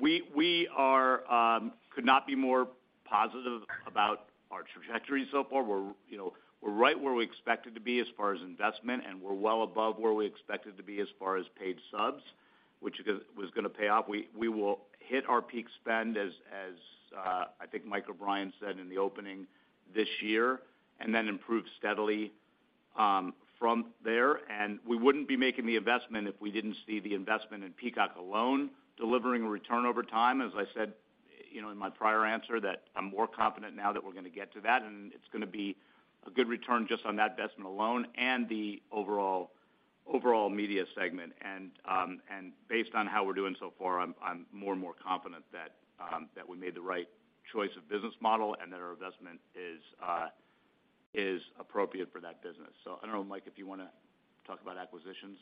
Speaker 7: we are could not be more positive about our trajectory so far. We're, you know, right where we expected to be as far as investment, and we're well above where we expected to be as far as paid subs, which was gonna pay off. We will hit our peak spend as I think Mike or Brian said in the opening this year and then improve steadily from there. We wouldn't be making the investment if we didn't see the investment in Peacock alone, delivering a return over time. As I said, you know, in my prior answer, that I'm more confident now that we're gonna get to that, and it's gonna be a good return just on that investment alone and the overall media segment. Based on how we're doing so far, I'm more and more confident that we made the right choice of business model and that our investment is appropriate for that business. I don't know, Mike, if you wanna talk about acquisitions.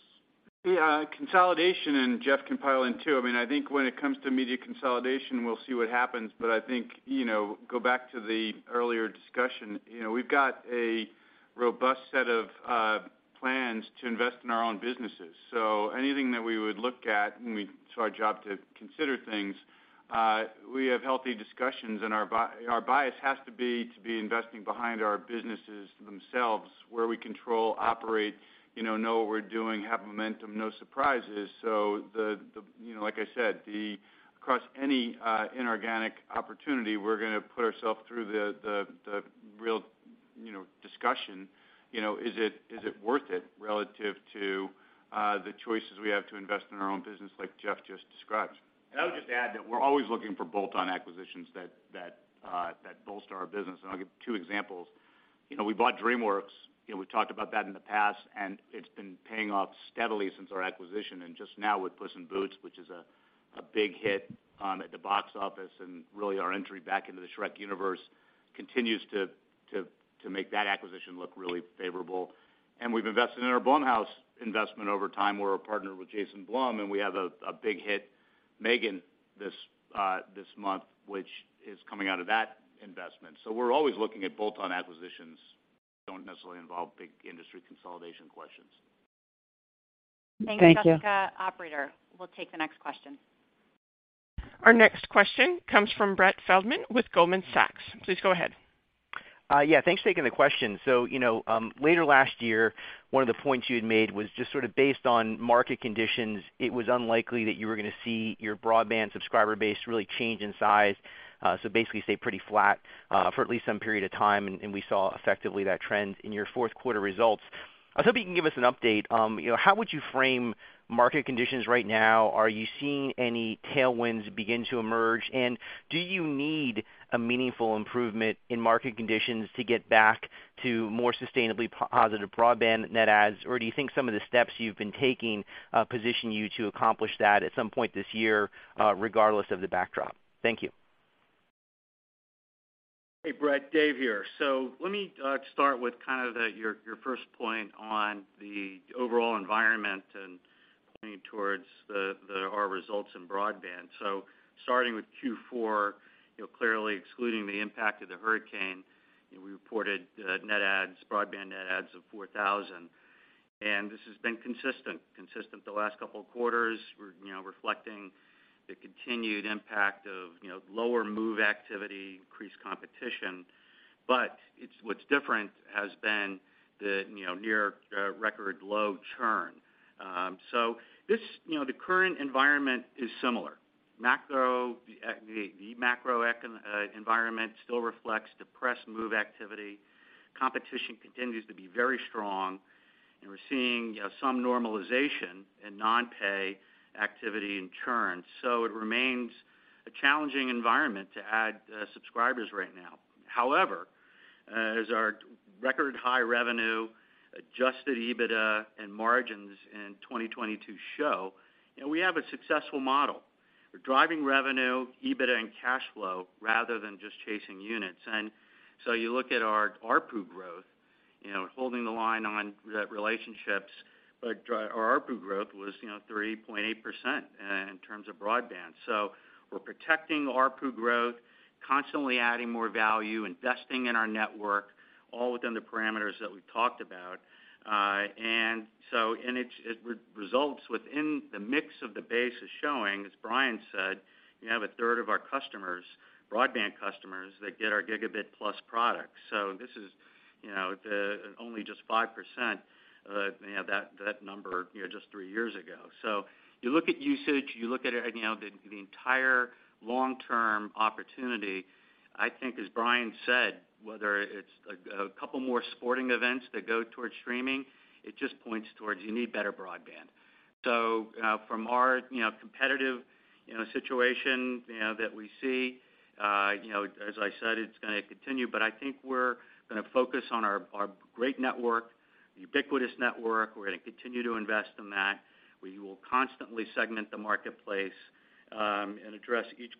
Speaker 4: Consolidation, Jeff Shell can pile in too. I mean, I think when it comes to media consolidation, we'll see what happens. I mean, I think, you know, go back to the earlier discussion. You know, we've got a robust set of plans to invest in our own businesses. Anything that we would look at, and it's our job to consider things, we have healthy discussions and our bias has to be to be investing behind our businesses themselves where we control, operate, you know what we're doing, have momentum, no surprises. The, you know, like I said, across any inorganic opportunity, we're gonna put ourself through the real.
Speaker 8: You know, discussion, you know, is it worth it relative to the choices we have to invest in our own business like Jeff just described?
Speaker 7: I would just add that we're always looking for bolt-on acquisitions that bolster our business, and I'll give two examples. You know, we bought DreamWorks, you know, we talked about that in the past, and it's been paying off steadily since our acquisition. Just now with Puss in Boots, which is a big hit at the box office and really our entry back into the Shrek universe continues to make that acquisition look really favorable. We've invested in our Blumhouse investment over time. We're a partner with Jason Blum, and we have a big hit, M3GAN, this month, which is coming out of that investment. We're always looking at bolt-on acquisitions that don't necessarily involve big industry consolidation questions.
Speaker 8: Thank you.
Speaker 2: Thanks, Jessica. Operator, we'll take the next question.
Speaker 1: Our next question comes from Brett Feldman with Goldman Sachs. Please go ahead.
Speaker 11: Yeah, thanks for taking the question. You know, later last year, one of the points you had made was just sort of based on market conditions, it was unlikely that you were gonna see your broadband subscriber base really change in size. Basically stay pretty flat for at least some period of time, and we saw effectively that trend in your Q4 results. I was hoping you can give us an update on, you know, how would you frame market conditions right now? Are you seeing any tailwinds begin to emerge? Do you need a meaningful improvement in market conditions to get back to more sustainably positive broadband net adds? Do you think some of the steps you've been taking position you to accomplish that at some point this year, regardless of the backdrop? Thank you.
Speaker 8: Hey, Brett, Dave here. Let me start with kind of your first point on the overall environment and pointing towards our results in broadband. Starting with Q4, you know, clearly excluding the impact of Hurricane Ian, we reported net adds, broadband net adds of 4,000. This has been consistent the last couple of quarters. We're, you know, reflecting the continued impact of, you know, lower move activity, increased competition. What's different has been the, you know, near record low churn. You know, the current environment is similar. The macro environment still reflects depressed move activity. Competition continues to be very strong, and we're seeing, you know, some normalization in non-pay activity and churn. It remains a challenging environment to add subscribers right now. However, as our record high revenue, adjusted EBITDA and margins in 2022 show, you know, we have a successful model. We're driving revenue, EBITDA, and cash flow rather than just chasing units. You look at our ARPU growth, you know, holding the line on net relationships, but our ARPU growth was, you know, 3.8% in terms of broadband. We're protecting ARPU growth, constantly adding more value, investing in our network, all within the parameters that we've talked about. Results within the mix of the base is showing, as Brian said, you have 1/3 of our customers, broadband customers that get our Gigabit-plus products. This is, you know, only just 5%, you know, that number, you know, just 3 years ago. You look at usage, you look at, you know, the entire long-term opportunity. I think, as Brian said, whether it's a couple more sporting events that go towards streaming, it just points towards you need better broadband. From our, you know, competitive, you know, situation, you know, that we see, you know, as I said, it's gonna continue. I think we're gonna focus on our great network, ubiquitous network. We're gonna continue to invest in that. We will constantly segment the marketplace and address each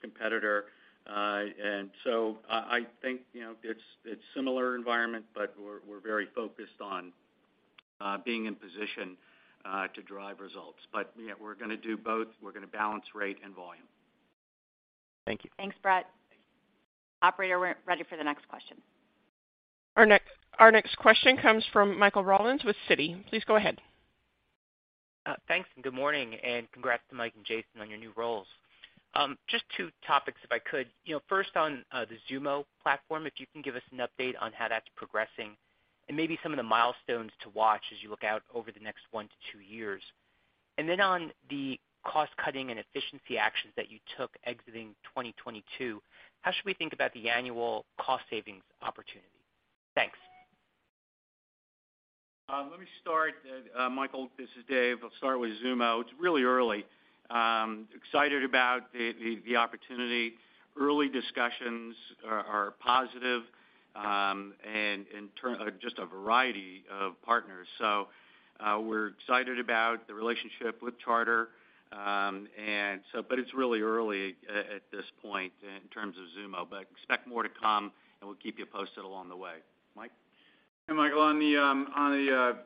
Speaker 8: competitor. I think, you know, it's similar environment, but we're very focused on being in position to drive results. You know, we're gonna do both. We're gonna balance rate and volume.
Speaker 11: Thank you.
Speaker 2: Thanks, Brett. Operator, we're ready for the next question.
Speaker 1: Our next question comes from Michael Rollins with Citi. Please go ahead.
Speaker 12: Thanks, good morning, and congrats to Mike and Jason on your new roles. Just two topics, if I could. You know, first on the Xumo platform, if you can give us an update on how that's progressing and maybe some of the milestones to watch as you look out over the next one to two years. Then on the cost-cutting and efficiency actions that you took exiting 2022, how should we think about the annual cost savings opportunity? Thanks.
Speaker 8: Let me start. Michael, this is Dave. I'll start with Xumo. It's really early. Excited about the opportunity. Early discussions are positive, and just a variety of partners. We're excited about the relationship with Charter, and so... It's really early at this point in terms of Xumo. Expect more to come, and we'll keep you posted along the way. Mike?
Speaker 4: Michael, on the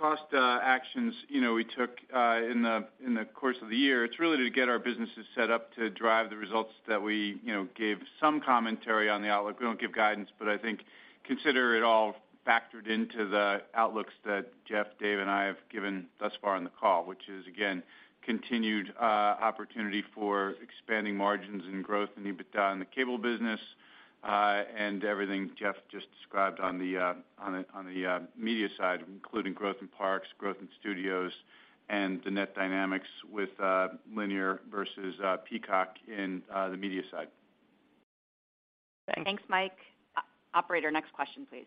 Speaker 4: on the cost actions, you know, we took in the in the course of the year, it's really to get our businesses set up to drive the results that we, you know, gave some commentary on the outlook. We don't give guidance, but I think consider it all factored into the outlooks that Jeff, Dave, and I have given thus far on the call, which is, again, continued opportunity for expanding margins and growth in EBITDA in the cable business, and everything Jeff just described on the on the on the media side, including growth in parks, growth in studios, and the net dynamics with linear versus Peacock in the media side.
Speaker 2: Thanks, Mike. Operator, next question, please.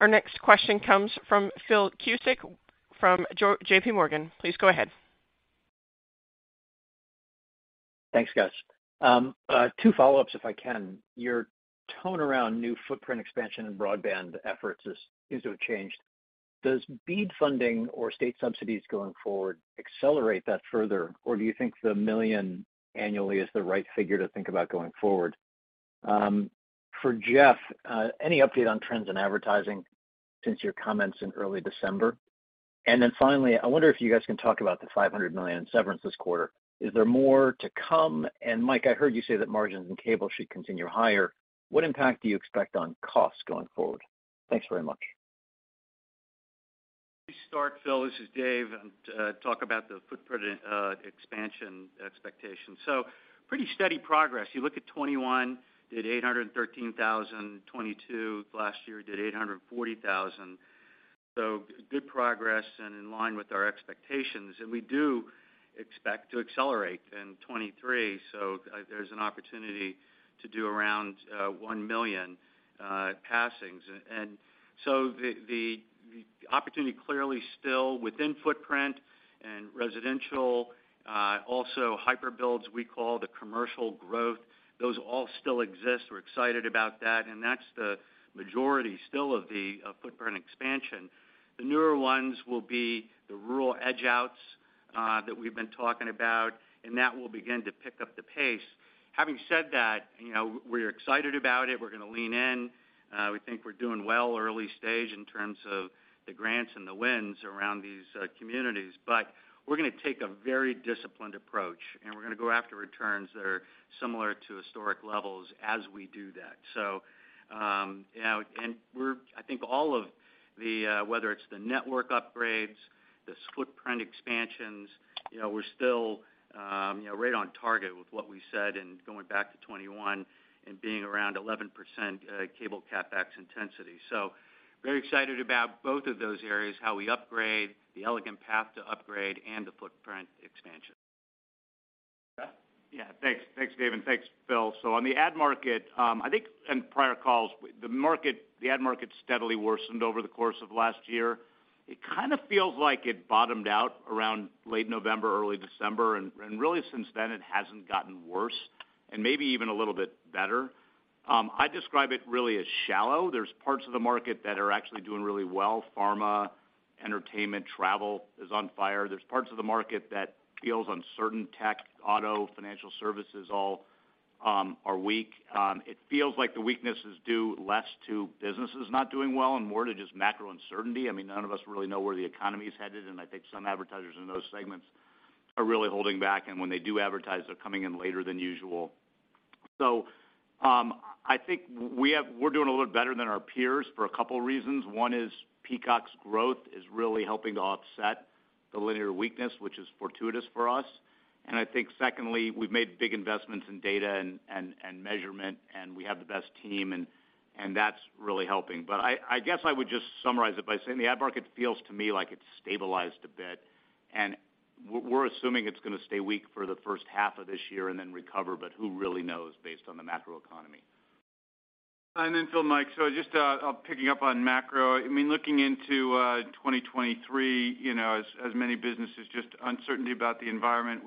Speaker 1: Our next question comes from Philip Cusick from JPMorgan. Please go ahead.
Speaker 13: Thanks, guys. two follow-ups if I can. Your tone around new footprint expansion and broadband efforts is, seems to have changed. Does BEAD funding or state subsidies going forward accelerate that further? Or do you think the $1 million annually is the right figure to think about going forward? For Jeff, any update on trends in advertising since your comments in early December? I wonder if you guys can talk about the $500 million severance this quarter. Is there more to come? Mike, I heard you say that margins and cable should continue higher. What impact do you expect on costs going forward? Thanks very much.
Speaker 8: Let me start, Phil, this is Dave, talk about the footprint expansion expectations. Pretty steady progress. You look at 2021, did 813,000, 2022 last year did 840,000. Good progress in line with our expectations, we do expect to accelerate in 2023. There's an opportunity to do around 1 million passings. The opportunity clearly still within footprint and residential, also hyper builds, we call the commercial growth. Those all still exist. We're excited about that, and that's the majority still of the footprint expansion. The newer ones will be the rural edge outs, that we've been talking about, and that will begin to pick up the pace. Having said that, you know, we're excited about it. We're gonna lean in. We think we're doing well early stage in terms of the grants and the wins around these communities. We're gonna take a very disciplined approach, and we're gonna go after returns that are similar to historic levels as we do that. You know, I think all of the, whether it's the network upgrades, the footprint expansions, you know, we're still, you know, right on target with what we said and going back to 2021 and being around 11%, Cable CapEx intensity. Very excited about both of those areas, how we upgrade the elegant path to upgrade and the footprint expansion.
Speaker 13: Yeah.
Speaker 7: Yeah. Thanks. Thanks, Dave, and thanks, Phil. On the ad market, I think in prior calls, the ad market steadily worsened over the course of last year. It kind of feels like it bottomed out around late November, early December, and really since then, it hasn't gotten worse and maybe even a little bit better. I describe it really as shallow. There's parts of the market that are actually doing really well. Pharma, entertainment, travel is on fire. There's parts of the market that feels uncertain. Tech, auto, financial services, all are weak. It feels like the weakness is due less to businesses not doing well and more to just macro uncertainty. I mean, none of us really know where the economy is headed, and I think some advertisers in those segments are really holding back, and when they do advertise, they're coming in later than usual. I think we're doing a little better than our peers for a couple reasons. One is Peacock's growth is really helping to offset the linear weakness, which is fortuitous for us. I think secondly, we've made big investments in data and measurement, and we have the best team and that's really helping. I guess I would just summarize it by saying the ad market feels to me like it's stabilized a bit, and we're assuming it's gonna stay weak for the H1 of this year and then recover, but who really knows based on the macro economy.
Speaker 8: Phil, Mike. Just picking up on macro, I mean, looking into 2023, you know, as many businesses, just uncertainty about the environment.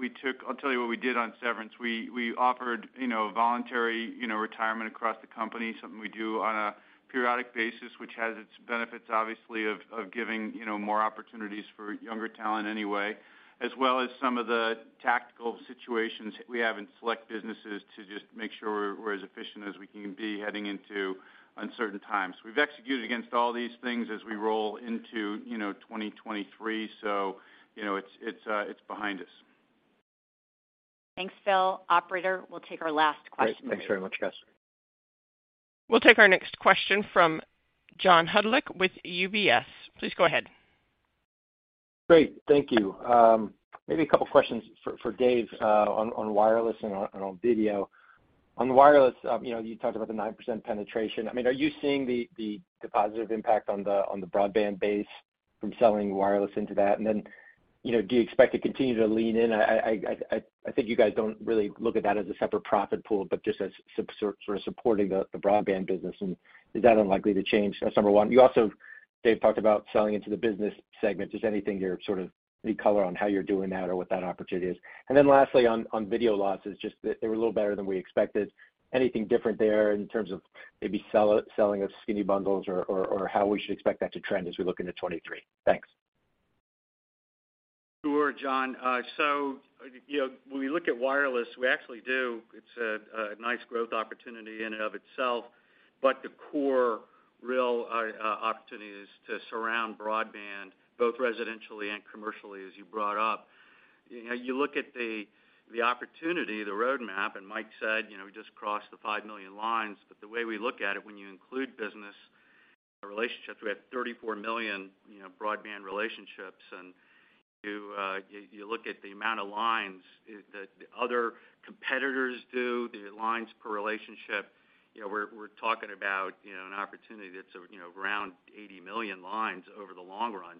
Speaker 8: I'll tell you what we did on severance. We offered, you know, voluntary, you know, retirement across the company, something we do on a periodic basis, which has its benefits, obviously, of giving, you know, more opportunities for younger talent anyway, as well as some of the tactical situations we have in select businesses to just make sure we're as efficient as we can be heading into uncertain times. We've executed against all these things as we roll into, you know, 2023. You know, it's behind us.
Speaker 2: Thanks, Phil. Operator, we'll take our last question.
Speaker 13: Great. Thanks very much, guys.
Speaker 1: We'll take our next question from John Hodulik with UBS. Please go ahead.
Speaker 14: Great. Thank you. Maybe a couple questions for Dave on wireless and on video. On wireless, you know, you talked about the 9% penetration. I mean, are you seeing the positive impact on the broadband base from selling wireless into that? You know, do you expect to continue to lean in? I think you guys don't really look at that as a separate profit pool, but just as sort of supporting the broadband business. Is that unlikely to change? That's number 1. You also, Dave, talked about selling into the business segment. Just anything here, sort of any color on how you're doing that or what that opportunity is. Lastly, on video losses, just they were a little better than we expected. Anything different there in terms of maybe selling of skinny bundles or how we should expect that to trend as we look into 2023? Thanks.
Speaker 8: Sure, John. You know, when we look at wireless, we actually do. It's a nice growth opportunity in and of itself. The core real opportunity is to surround broadband, both residentially and commercially, as you brought up. You know, you look at the opportunity, the roadmap, and Mike said, you know, we just crossed the 5 million lines. The way we look at it, when you include business relationships, we have 34 million, you know, broadband relationships. You look at the amount of lines that the other competitors do, the lines per relationship. You know, we're talking about, you know, an opportunity that's, you know, around 80 million lines over the long run.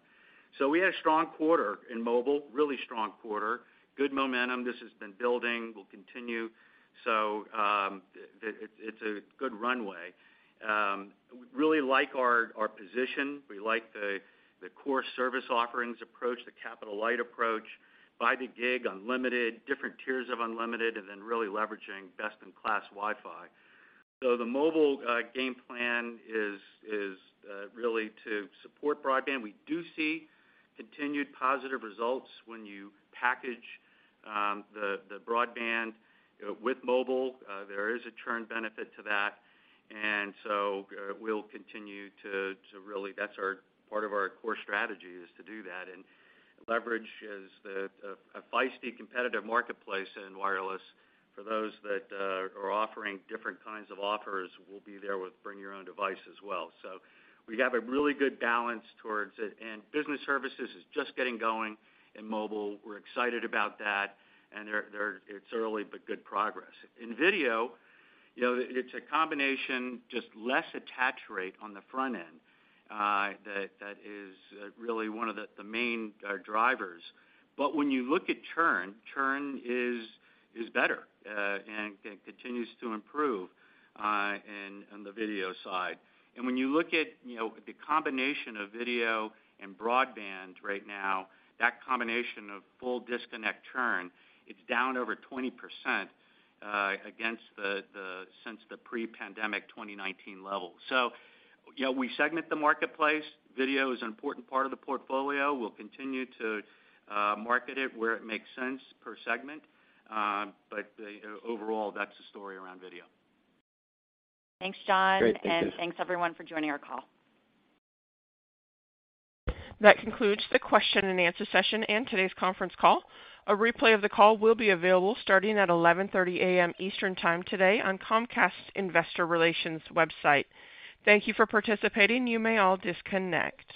Speaker 8: We had a strong quarter in mobile, really strong quarter, good momentum. This has been building, will continue. It's a good runway. We really like our position. We like the core service offerings approach, the capital light approach, by the gig unlimited, different tiers of unlimited, and then really leveraging best-in-class Wi-Fi. The mobile game plan is really to support broadband. We do see continued positive results when you package the broadband with mobile. There is a churn benefit to that. We'll continue. That's our part of our core strategy is to do that. Leverage is a feisty competitive marketplace in wireless for those that are offering different kinds of offers. We'll be there with bring your own device as well. We have a really good balance towards it. Business services is just getting going in mobile. We're excited about that. It's early but good progress. In video, you know, it's a combination, just less attach rate on the front end, that is really one of the main drivers. When you look at churn is better and continues to improve in the video side. When you look at, you know, the combination of video and broadband right now, that combination of full disconnect churn, it's down over 20% against the since the pre-pandemic 2019 level. You know, we segment the marketplace. Video is an important part of the portfolio. We'll continue to market it where it makes sense per segment. Overall, that's the story around video.
Speaker 2: Thanks, John.
Speaker 14: Great. Thank you.
Speaker 2: Thanks, everyone, for joining our call.
Speaker 1: That concludes the question-and-answer session and today's conference call. A replay of the call will be available starting at 11:30 A.M. Eastern time today on Comcast's Investor Relations website. Thank you for participating. You may all disconnect.